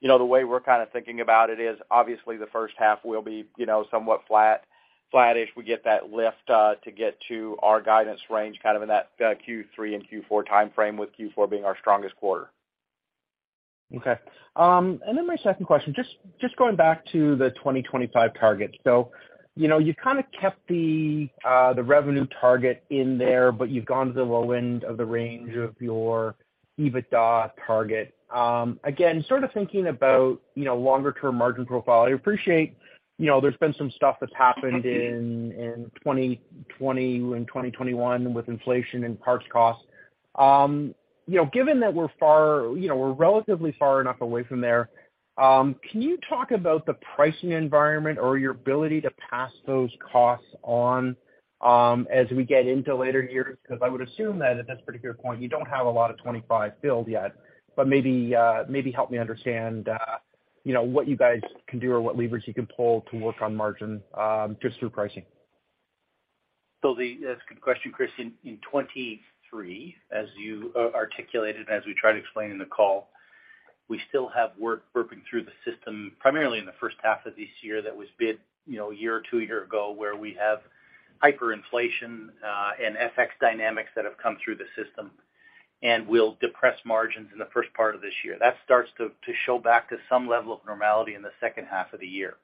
You know, the way we're kind of thinking about it is obviously the first half will be, you know, somewhat flat, flattish. We get that lift to get to our guidance range kind of in that Q3 and Q4 timeframe, with Q4 being our strongest quarter. My second question, just going back to the 2025 target. You know, you kinda kept the revenue target in there, but you've gone to the low end of the range of your EBITDA target. Again, sort of thinking about, you know, longer-term margin profile. I appreciate, you know, there's been some stuff that's happened in 2020 and 2021 with inflation and parts costs. Given that we're relatively far enough away from there, can you talk about the pricing environment or your ability to pass those costs on, as we get into later years? I would assume that at this particular point, you don't have a lot of 2025 filled yet, but maybe help me understand, you know, what you guys can do or what levers you can pull to work on margin, just through pricing. That's a good question, Chris. In 2023, as you articulated and as we tried explaining the call, we still have work working through the system, primarily in the first half of this year that was bid, you know, a year or two years ago, where we have hyperinflation and FX dynamics that have come through the system and will depress margins in the first part of this year. That starts to show back to some level of normality in the second half of the year.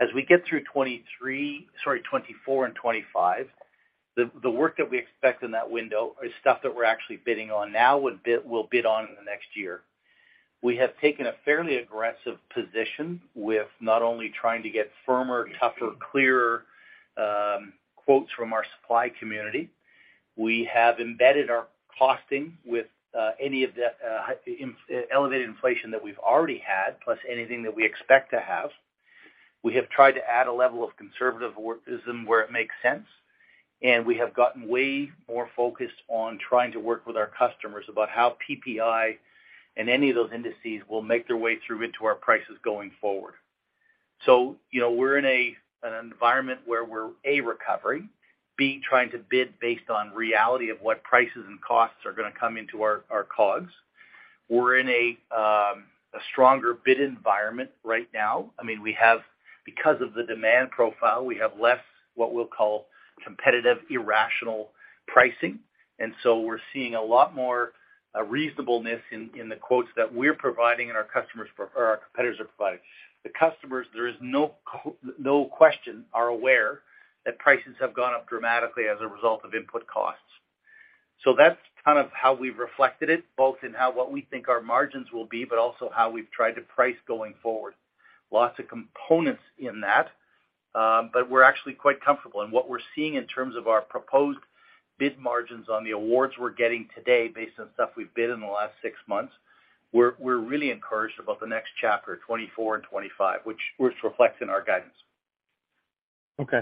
As we get through 2023, sorry, 2024 and 2025, the work that we expect in that window is stuff that we're actually bidding on now, we'll bid on in the next year. We have taken a fairly aggressive position with not only trying to get firmer, tougher, clearer quotes from our supply community. We have embedded our costing with any of the elevated inflation that we've already had, plus anything that we expect to have. We have tried to add a level of conservatism where it makes sense. We have gotten way more focused on trying to work with our customers about how PPI and any of those indices will make their way through into our prices going forward. You know, we're in a, an environment where we're, A, recovery, B, trying to bid based on reality of what prices and costs are gonna come into our COGS. We're in a stronger bid environment right now. I mean, because of the demand profile, we have less, what we'll call competitive, irrational pricing. We're seeing a lot more reasonableness in the quotes that we're providing and our customers or our competitors are providing. The customers, there is no question are aware that prices have gone up dramatically as a result of input costs. That's kind of how we've reflected it, both in how, what we think our margins will be, but also how we've tried to price going forward. Lots of components in that, but we're actually quite comfortable. What we're seeing in terms of our proposed bid margins on the awards we're getting today based on stuff we've bid in the last six months, we're really encouraged about the next chapter, 2024 and 2025, which reflects in our guidance. Okay.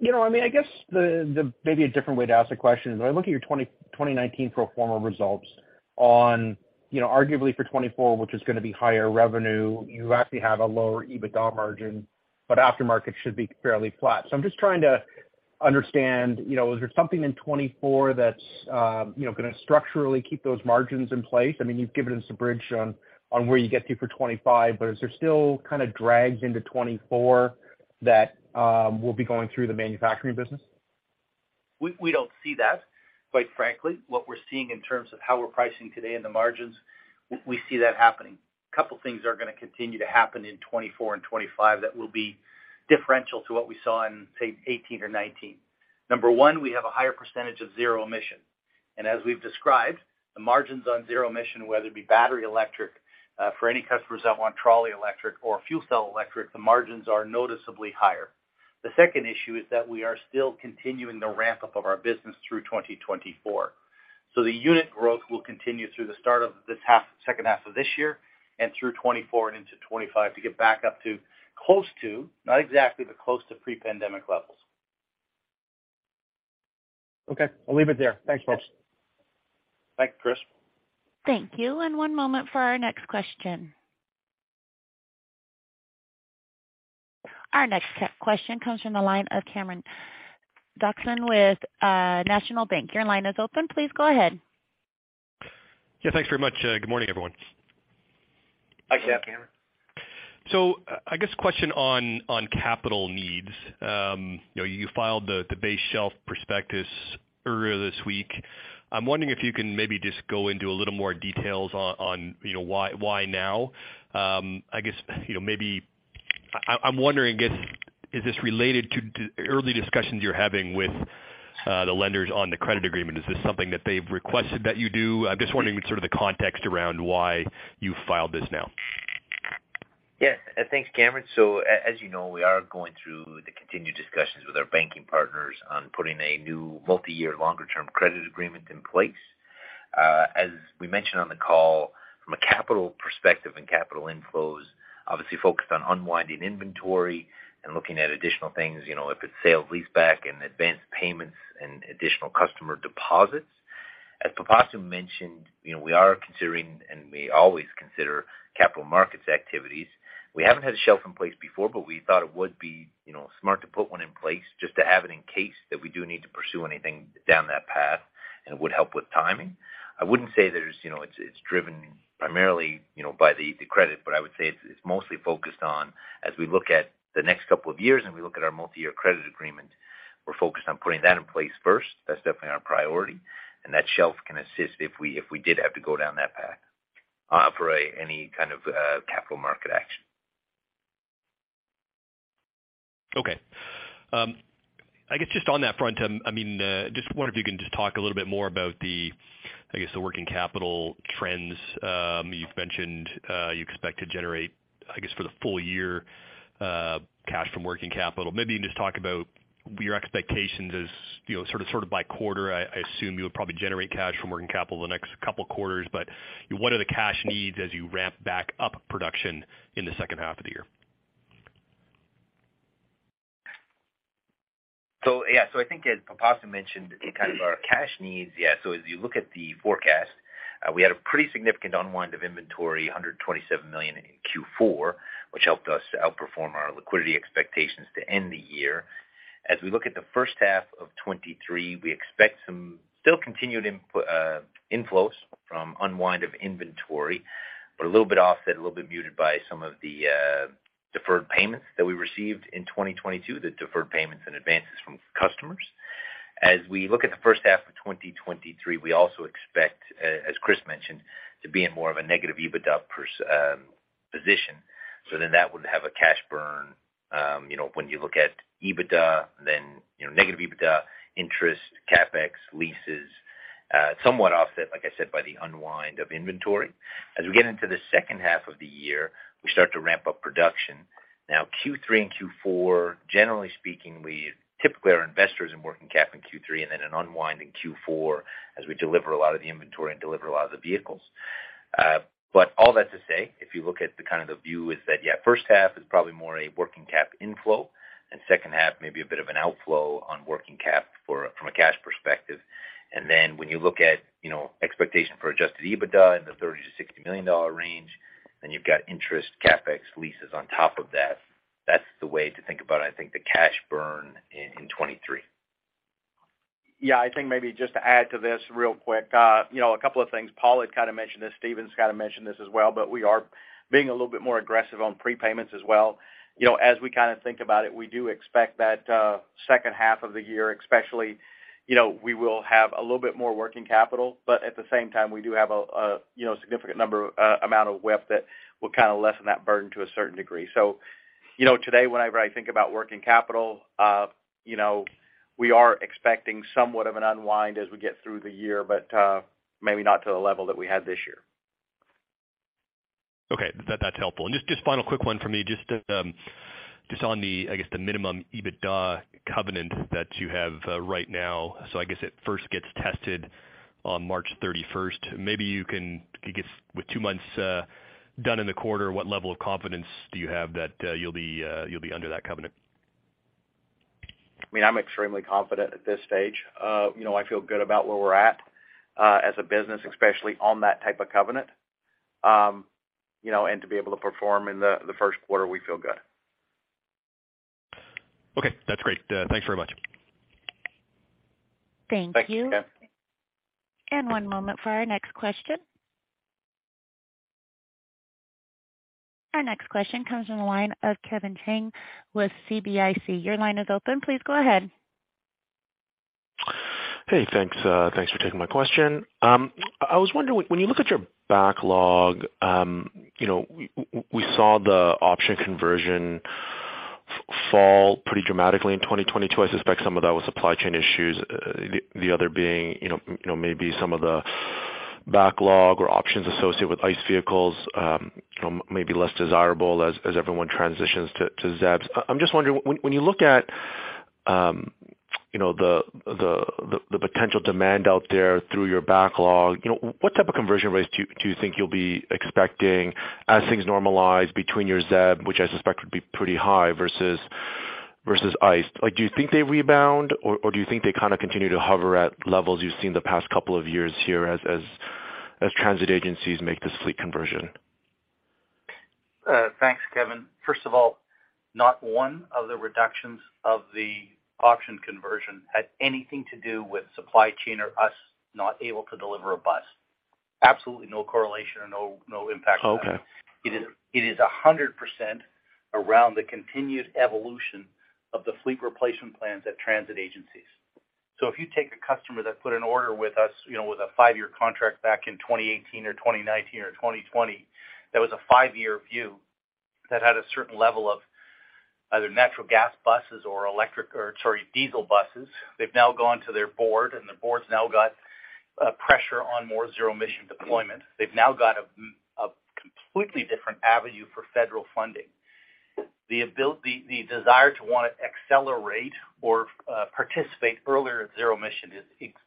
you know, I mean, I guess maybe a different way to ask the question is, when I look at your 2019 pro forma results on, you know, arguably for 2024, which is gonna be higher revenue, you actually have a lower EBITDA margin, but aftermarket should be fairly flat. I'm just trying to understand, you know, is there something in 2024 that's gonna structurally keep those margins in place? I mean, you've given us a bridge where you get to for 2025, but is there still kinda drags into 2024 that will be going through the manufacturing business? We don't see that, quite frankly. What we're seeing in terms of how we're pricing today and the margins, we see that happening. A couple things are gonna continue to happen in 2024 and 2025 that will be differential to what we saw in, say, 2018 or 2019. Number one, we have a higher percentage of zero emission. As we've described, the margins on zero emission, whether it be battery electric, for any customers that want trolley electric or fuel cell electric, the margins are noticeably higher. The second issue is that we are still continuing the ramp-up of our business through 2024. The unit growth will continue through the start of this half, second half of this year and through 2024 and into 2025 to get back up to close to, not exactly, but close to pre-pandemic levels. Okay. I'll leave it there. Thanks, folks. Thanks, Chris. Thank you. One moment for our next question. Our next question comes from the line of Cameron Doerksen with National Bank. Your line is open. Please go ahead. Yeah, thanks very much. Good morning, everyone. Hi, Cam. Yeah, Cameron. I guess question on capital needs. You know, you filed the base shelf prospectus earlier this week. I'm wondering if you can maybe just go into a little more details on, you know, why now? I guess, you know, maybe I'm wondering, I guess, is this related to early discussions you're having with the lenders on the credit agreement? Is this something that they've requested that you do? I'm just wondering sort of the context around why you filed this now. Yeah. Thanks, Cameron. As you know, we are going through the continued discussions with our banking partners on putting a new multi-year longer term credit agreement in place. As we mentioned on the call, from a capital perspective and capital inflows, obviously focused on unwinding inventory and looking at additional things, you know, if it's sale-leaseback and advanced payments and additional customer deposits. As Pipasu mentioned, you know, we are considering and we always consider capital markets activities. We haven't had a shelf in place before, we thought it would be, you know, smart to put one in place just to have it in case that we do need to pursue anything down that path and would help with timing. I wouldn't say there's, you know, it's driven primarily, you know, by the credit, but I would say it's mostly focused on as we look at the next couple of years and we look at our multi-year credit agreement, we're focused on putting that in place first. That's definitely our priority. That shelf can assist if we, if we did have to go down that path, for any kind of capital market action. Okay. I guess just on that front, I mean, just wonder if you can just talk a little bit more about the, I guess the working capital trends, you've mentioned, you expect to generate, I guess, for the full year, cash from working capital. Maybe you can just talk about your expectations as, you know, sort of by quarter. I assume you'll probably generate cash from working capital the next couple quarters, but what are the cash needs as you ramp back up production in the second half of the year? Yeah. I think as Pipasu Soni mentioned, kind of our cash needs. As you look at the forecast, we had a pretty significant unwind of inventory, $127 million in Q4, which helped us to outperform our liquidity expectations to end the year. As we look at the first half of 2023, we expect some still continued input inflows from unwind of inventory, but a little bit offset, a little bit muted by some of the deferred payments that we received in 2022, the deferred payments and advances from customers. As we look at the first half of 2023, we also expect, as Chris Murray mentioned, to be in more of a negative EBITDA position. That would have a cash burn, you know, when you look at EBITDA, then, you know, negative EBITDA, interest, CapEx, leases, somewhat offset, like I said, by the unwind of inventory. As we get into the second half of the year, we start to ramp up production. Q3 and Q4, generally speaking, we typically are investors in working cap in Q3 and then an unwind in Q4 as we deliver a lot of the inventory and deliver a lot of the vehicles. All that to say, if you look at the kind of the view is that, yeah, first half is probably more a working cap inflow, and second half maybe a bit of an outflow on working cap for, from a cash perspective. When you look at, you know, expectation for adjusted EBITDA in the $30 million to $60 million range, then you've got interest CapEx leases on top of that. That's the way to think about, I think, the cash burn in 2023. I think maybe just to add to this real quick, you know, a couple of things. Paul had kind of mentioned this, Stephen's kind of mentioned this as well, but we are being a little bit more aggressive on prepayments as well. You know, as we kind of think about it, we do expect that, second half of the year, especially, you know, we will have a little bit more working capital, but at the same time, we do have a, you know, significant amount of WIP that will kind of lessen that burden to a certain degree. You know, today, whenever I think about working capital, you know, we are expecting somewhat of an unwind as we get through the year, but maybe not to the level that we had this year. Okay. That's helpful. Just final quick one for me. Just on the, I guess, the minimum EBITDA covenant that you have right now. I guess it first gets tested on March 31st. Maybe you can I guess with two months done in the quarter, what level of confidence do you have that you'll be under that covenant? I mean, I'm extremely confident at this stage. You know, I feel good about where we're at, as a business, especially on that type of covenant. You know, to be able to perform in the Q1, we feel good. Okay, that's great. Thanks very much. Thank you. Thanks. One moment for our next question. Our next question comes from the line of Kevin Chiang with CIBC. Your line is open. Please go ahead. Hey, thanks. thanks for taking my question. I was wondering, when you look at your backlog, you know, we saw the option conversion fall pretty dramatically in 2022. I suspect some of that was supply chain issues, the other being, you know, maybe some of the backlog or options associated with ICE vehicles, maybe less desirable as everyone transitions to ZEB. I'm just wondering, when you look at, you know, the potential demand out there through your backlog, you know, what type of conversion rates do you think you'll be expecting as things normalize between your ZEB, which I suspect would be pretty high versus ICE? Like, do you think they rebound or do you think they kind of continue to hover at levels you've seen the past couple of years here as transit agencies make this fleet conversion? Thanks, Kevin. First of all, not one of the reductions of the option conversion had anything to do with supply chain or us not able to deliver a bus. Absolutely no correlation or no impact to that. Okay. It is 100% around the continued evolution of the fleet replacement plans at transit agencies. If you take a customer that put an order with us, you know, with a five-year contract back in 2018 or 2019 or 2020, that was a 5-year view that had a certain level of either natural gas buses or electric or, sorry, diesel buses. They've now gone to their board, and the board's now got pressure on more zero emission deployment. They've now got a completely different avenue for federal funding. The desire to wanna accelerate or participate earlier at zero emission is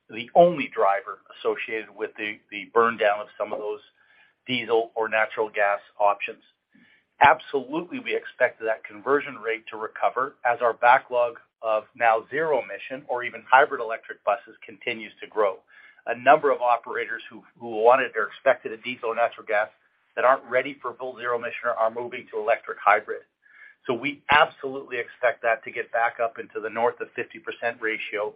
the only driver associated with the burn down of some of those diesel or natural gas options. Absolutely, we expect that conversion rate to recover as our backlog of now zero emission or even hybrid electric buses continues to grow. A number of operators who wanted or expected a diesel natural gas that aren't ready for full zero emission are moving to electric hybrid. We absolutely expect that to get back up into the north of 50% ratio.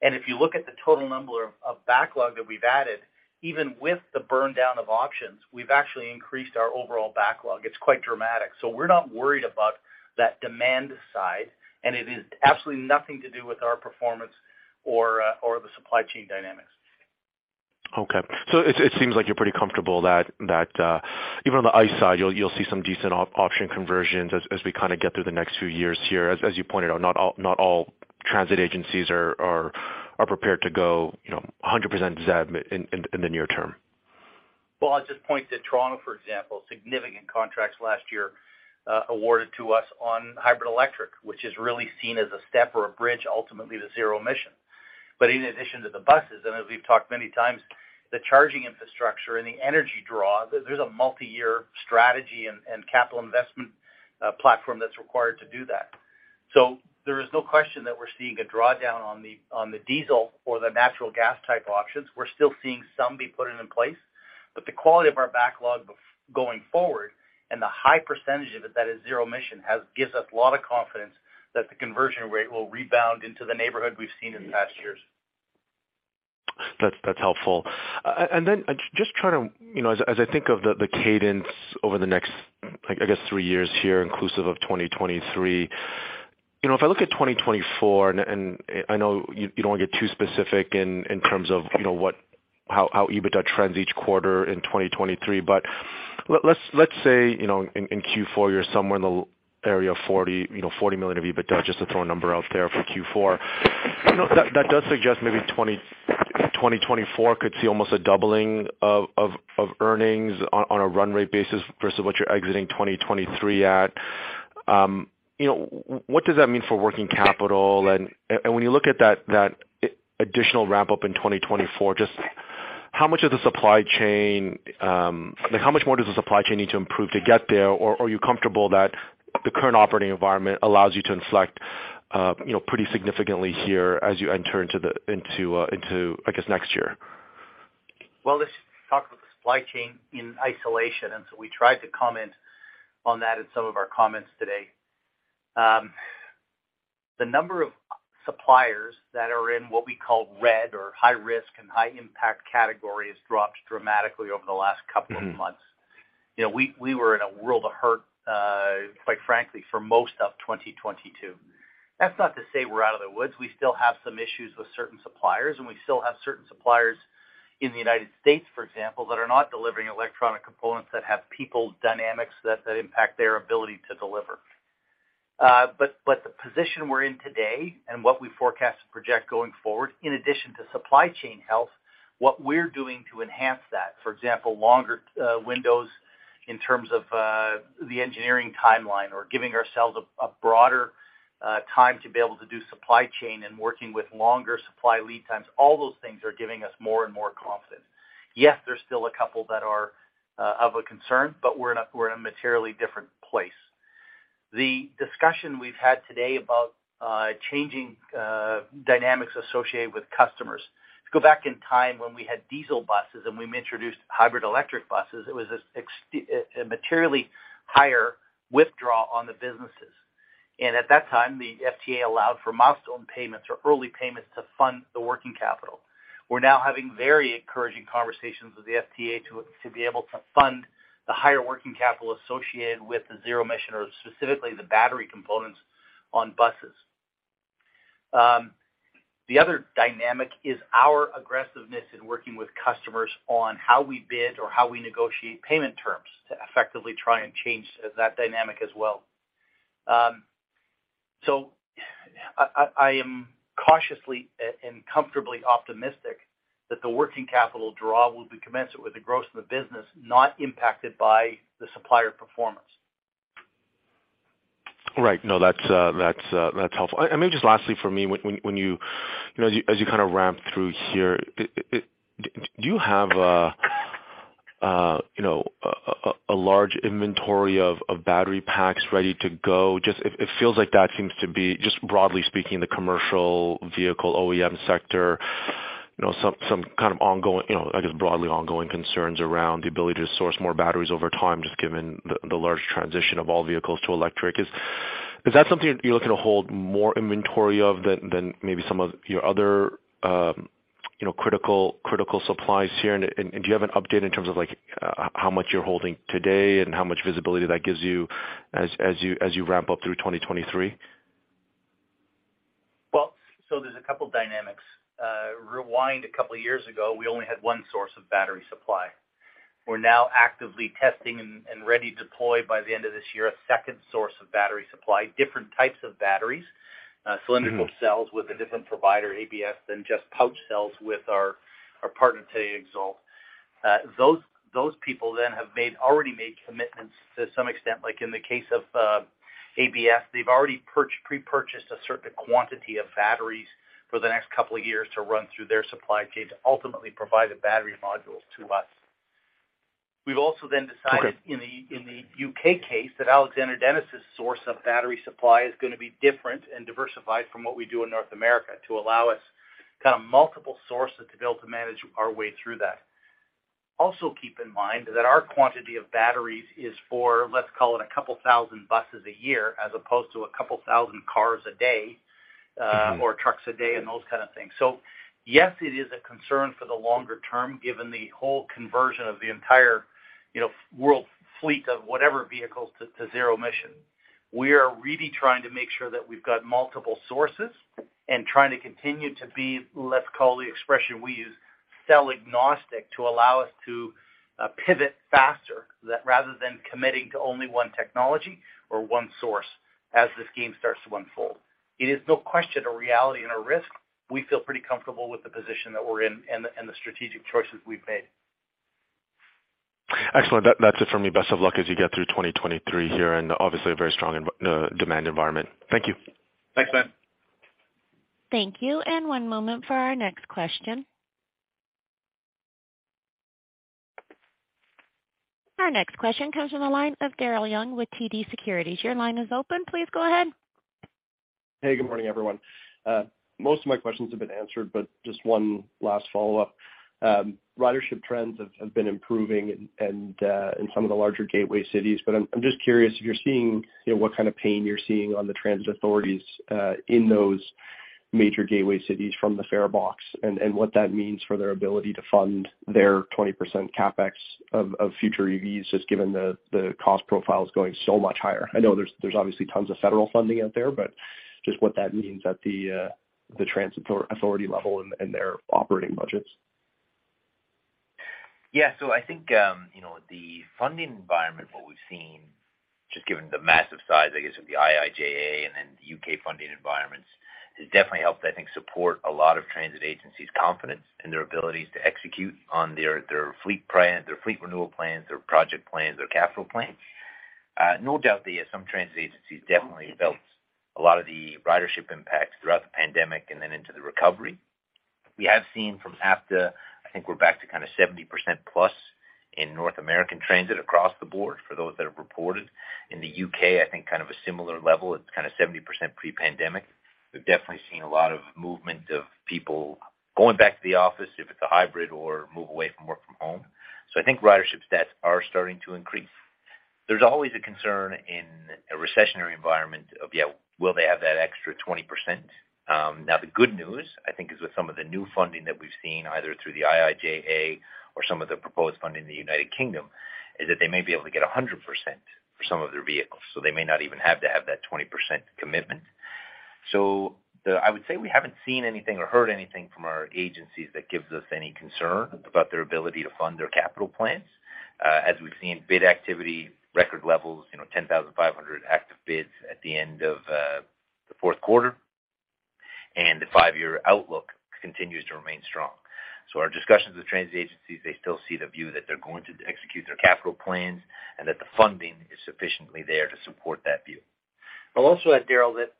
If you look at the total number of backlog that we've added, even with the burn down of options, we've actually increased our overall backlog. It's quite dramatic. We're not worried about that demand side, and it is absolutely nothing to do with our performance or the supply chain dynamics. It seems like you're pretty comfortable that even on the ICE side, you'll see some decent option conversions as we kinda get through the next few years here. As you pointed out, not all transit agencies are prepared to go, you know, 100% ZEB in the near term. Well, I'll just point to Toronto, for example, significant contracts last year, awarded to us on hybrid electric, which is really seen as a step or a bridge ultimately to zero emission. In addition to the buses, and as we've talked many times, the charging infrastructure and the energy draw, there's a multi-year strategy and capital investment platform that's required to do that. There is no question that we're seeing a drawdown on the, on the diesel or the natural gas type options. We're still seeing some be put in place, the quality of our backlog going forward and the high percentage of it that is zero emission gives us a lot of confidence that the conversion rate will rebound into the neighborhood we've seen in the past years. That's helpful. Then just trying to, you know, as I think of the cadence over the next, I guess three years here, inclusive of 2023, you know, if I look at 2024 and I know you don't wanna get too specific in terms of, you know, how EBITDA trends each quarter in 2023, but let's say, you know, in Q4 you're somewhere in the area of $40 million of EBITDA, just to throw a number out there for Q4. That does suggest maybe 2024 could see almost a doubling of earnings on a run rate basis versus what you're exiting 2023 at. What does that mean for working capital? When you look at that additional ramp-up in 2024, How much of the supply chain, like how much more does the supply chain need to improve to get there? Or are you comfortable that the current operating environment allows you to inflect, you know, pretty significantly here as you enter into, I guess, next year? Well, let's talk about the supply chain in isolation, and so we tried to comment on that in some of our comments today. The number of suppliers that are in what we call red or high risk and high impact category has dropped dramatically over the last couple of months. Mm-hmm. You know, we were in a world of hurt, quite frankly, for most of 2022. That's not to say we're out of the woods. We still have some issues with certain suppliers, and we still have certain suppliers in the United States, for example, that are not delivering electronic components that have people dynamics that impact their ability to deliver. The position we're in today and what we forecast to project going forward, in addition to supply chain health, what we're doing to enhance that, for example, longer windows in terms of the engineering timeline or giving ourselves a broader time to be able to do supply chain and working with longer supply lead times, all those things are giving us more and more confidence. Yes, there's still a couple that are of a concern, but we're in a materially different place. The discussion we've had today about changing dynamics associated with customers. To go back in time when we had diesel buses and we introduced hybrid electric buses, it was a materially higher withdrawal on the businesses. At that time, the FTA allowed for milestone payments or early payments to fund the working capital. We're now having very encouraging conversations with the FTA to be able to fund the higher working capital associated with the zero emission, or specifically the battery components on buses. The other dynamic is our aggressiveness in working with customers on how we bid or how we negotiate payment terms to effectively try and change that dynamic as well. I am cautiously and comfortably optimistic that the working capital draw will be commensurate with the growth of the business, not impacted by the supplier performance. Right. No, that's, that's helpful. Maybe just lastly for me, when you know, as you, as you kind of ramp through here, do you have a, you know, large inventory of battery packs ready to go? Just it feels like that seems to be, just broadly speaking, the commercial vehicle OEM sector, you know, some kind of ongoing, you know, I guess, broadly ongoing concerns around the ability to source more batteries over time, just given the large transition of all vehicles to electric. Is that something you're looking to hold more inventory of than maybe some of your other, you know, critical supplies here? Do you have an update in terms of like, how much you're holding today and how much visibility that gives you as you ramp up through 2023? There's a couple dynamics. Rewind a couple years ago, we only had one source of battery supply. We're now actively testing and ready to deploy by the end of this year, a second source of battery supply, different types of batteries, cylindrical cells with a different provider, ABS, than just pouch cells with our partner today, XALT. Those people then already made commitments to some extent, like in the case of ABS, they've already pre-purchased a certain quantity of batteries for the next couple of years to run through their supply chain to ultimately provide the battery modules to us. We've also then decided Great in the U.K. case that Alexander Dennis' source of battery supply is gonna be different and diversified from what we do in North America to allow us kind of multiple sources to be able to manage our way through that. Also keep in mind that our quantity of batteries is for, let's call it a couple thousand buses a year, as opposed to a couple thousand cars a day, or trucks a day and those kind of things. Yes, it is a concern for the longer term, given the whole conversion of the entire, you know, world fleet of whatever vehicles to zero emission. We are really trying to make sure that we've got multiple sources and trying to continue to be, let's call the expression we use, cell agnostic to allow us to pivot faster rather than committing to only one technology or one source as this game starts to unfold. It is no question a reality and a risk. We feel pretty comfortable with the position that we're in and the strategic choices we've made. Excellent. That's it for me. Best of luck as you get through 2023 here, and obviously a very strong demand environment. Thank you. Thanks, Ben. Thank you. One moment for our next question. Our next question comes from the line of Daryl Young with TD Securities. Your line is open. Please go ahead. Hey, good morning, everyone. Most of my questions have been answered, just one last follow-up. Ridership trends have been improving in some of the larger gateway cities. I'm just curious if you're seeing, you know, what kind of pain you're seeing on the transit authorities in those major gateway cities from the fare box and what that means for their ability to fund their 20% CapEx of future EVs, just given the cost profile is going so much higher. I know there's obviously tons of federal funding out there, but just what that means at the transit authority level and their operating budgets. Yeah. I think, you know, the funding environment, what we've seen, just given the massive size, I guess, of the IIJA and then the U.K. funding environments, has definitely helped, I think, support a lot of transit agencies' confidence in their abilities to execute on their fleet plan, their fleet renewal plans, their project plans, their capital plans. No doubt there some transit agencies definitely felt a lot of the ridership impacts throughout the pandemic and then into the recovery. We have seen, I think we're back to kind of 70% plus in North American transit across the board for those that have reported. In the U.K., I think kind of a similar level. It's kind of 70% pre-pandemic. We've definitely seen a lot of movement of people going back to the office if it's a hybrid or move away from work from home. I think ridership stats are starting to increase. There's always a concern in a recessionary environment of, yeah, will they have that extra 20%? Now the good news, I think is with some of the new funding that we've seen either through the IIJA or some of the proposed funding in the United Kingdom, is that they may be able to get 100% for some of their vehicles, they may not even have to have that 20% commitment. I would say we haven't seen anything or heard anything from our agencies that gives us any concern about their ability to fund their capital plans. As we've seen bid activity, record levels, you know, 10,500 active bids at the end of the Q4, the five-year outlook continues to remain strong. Our discussions with transit agencies, they still see the view that they're going to execute their capital plans and that the funding is sufficiently there to support that view. I'll also add, Daryl, that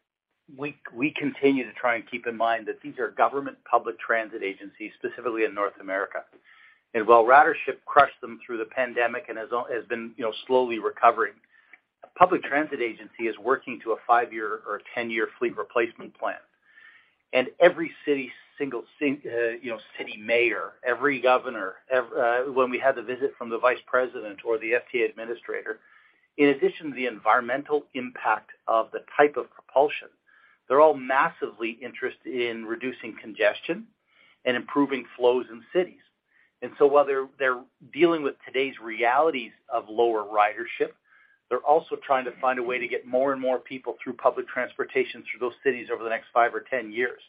we continue to try and keep in mind that these are government public transit agencies, specifically in North America. While ridership crushed them through the pandemic and has been, you know, slowly recovering, a public transit agency is working to a five-year or a 10-year fleet replacement plan. Every city, single city mayor, every governor, when we had the visit from the Vice President or the FTA Administrator, in addition to the environmental impact of the type of propulsion, they're all massively interested in reducing congestion and improving flows in cities. While they're dealing with today's realities of lower ridership, they're also trying to find a way to get more and more people through public transportation through those cities over the next five or 10 years.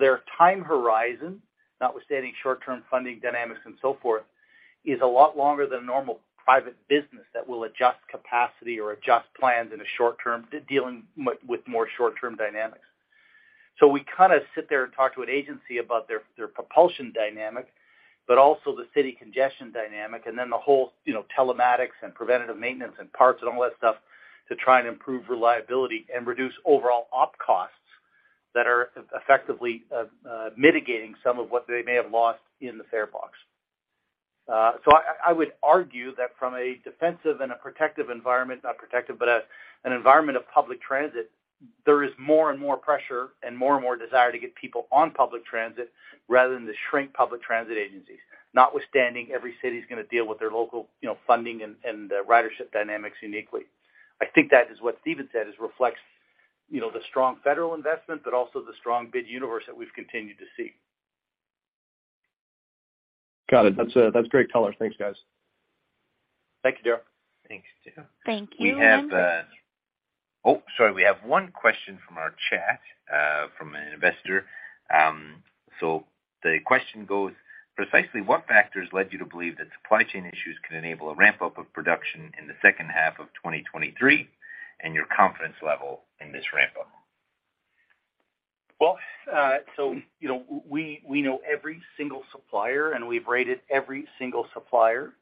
Their time horizon, notwithstanding short-term funding dynamics and so forth, is a lot longer than a normal private business that will adjust capacity or adjust plans in a short term dealing with more short-term dynamics. We kind of sit there and talk to an agency about their propulsion dynamic, but also the city congestion dynamic, and then the whole, you know, telematics and preventative maintenance and parts and all that stuff to try and improve reliability and reduce overall op costs that are effectively mitigating some of what they may have lost in the fare box. I would argue that from a defensive and a protective environment, not protective, but an environment of public transit, there is more and more pressure and more and more desire to get people on public transit rather than to shrink public transit agencies. Notwithstanding, every city is going to deal with their local, you know, funding and ridership dynamics uniquely. I think that is what Stephen said, is reflects, you know, the strong federal investment but also the strong bid universe that we've continued to see. Got it. That's great color. Thanks, guys. Thank you, Daryl. Thanks, Daryl. Thank you. Oh, sorry. We have one question from our chat, from an investor. The question goes: Precisely what factors led you to believe that supply chain issues can enable a ramp-up of production in the second half of 2023 and your confidence level in this ramp-up? Well, you know, we know every single supplier, and we've rated every single supplier.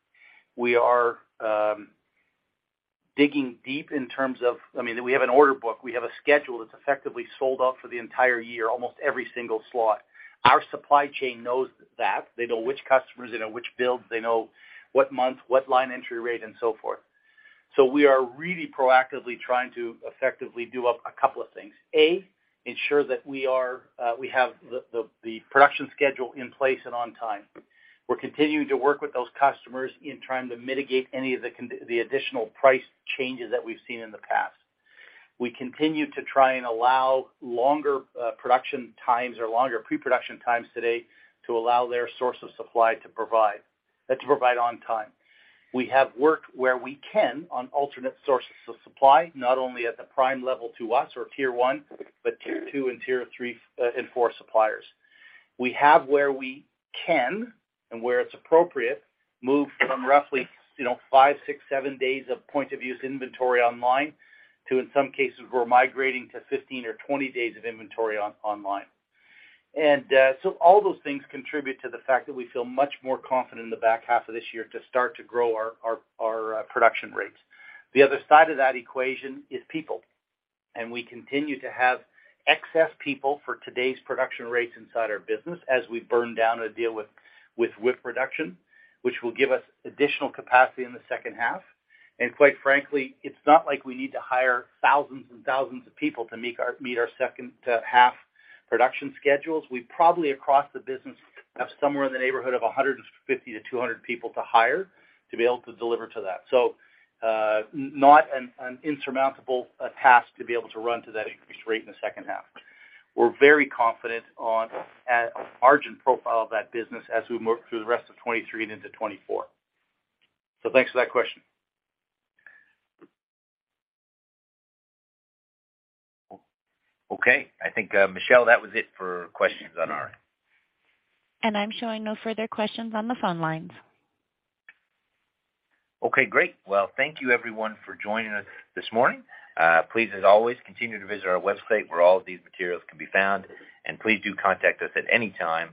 We are digging deep in terms of. I mean, we have an order book. We have a schedule that's effectively sold out for the entire year, almost every single slot. Our supply chain knows that. They know which customers, they know which builds, they know what month, what line entry rate, and so forth. We are really proactively trying to effectively do a couple of things. A, ensure that we are, we have the production schedule in place and on time. We're continuing to work with those customers in trying to mitigate any of the additional price changes that we've seen in the past. We continue to try and allow longer production times or longer pre-production times today to allow their source of supply to provide on time. We have worked where we can on alternate sources of supply, not only at the prime level to us or tier one, but tier two and tier three and four suppliers. We have, where we can and where it's appropriate, moved from roughly, you know, five, six, seven days of point of use inventory online to, in some cases, we're migrating to 15 or 20 days of inventory online. All those things contribute to the fact that we feel much more confident in the back half of this year to start to grow our production rates. The other side of that equation is people. We continue to have excess people for today's production rates inside our business as we burn down a deal with WIP reduction, which will give us additional capacity in the second half. Quite frankly, it's not like we need to hire thousands and thousands of people to meet our second half production schedules. We probably, across the business, have somewhere in the neighborhood of 150 to 200 people to hire to be able to deliver to that. Not an insurmountable task to be able to run to that increased rate in the second half. We're very confident on margin profile of that business as we move through the rest of 2023 and into 2024. Thanks for that question. Okay. I think Michelle, that was it for questions on our end. I'm showing no further questions on the phone lines. Okay, great. Well, thank you everyone for joining us this morning. Please, as always, continue to visit our website where all of these materials can be found. Please do contact us at any time,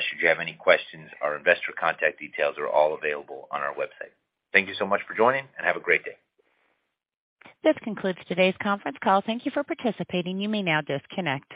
should you have any questions. Our investor contact details are all available on our website. Thank you so much for joining, and have a great day. This concludes today's conference call. Thank you for participating. You may now disconnect.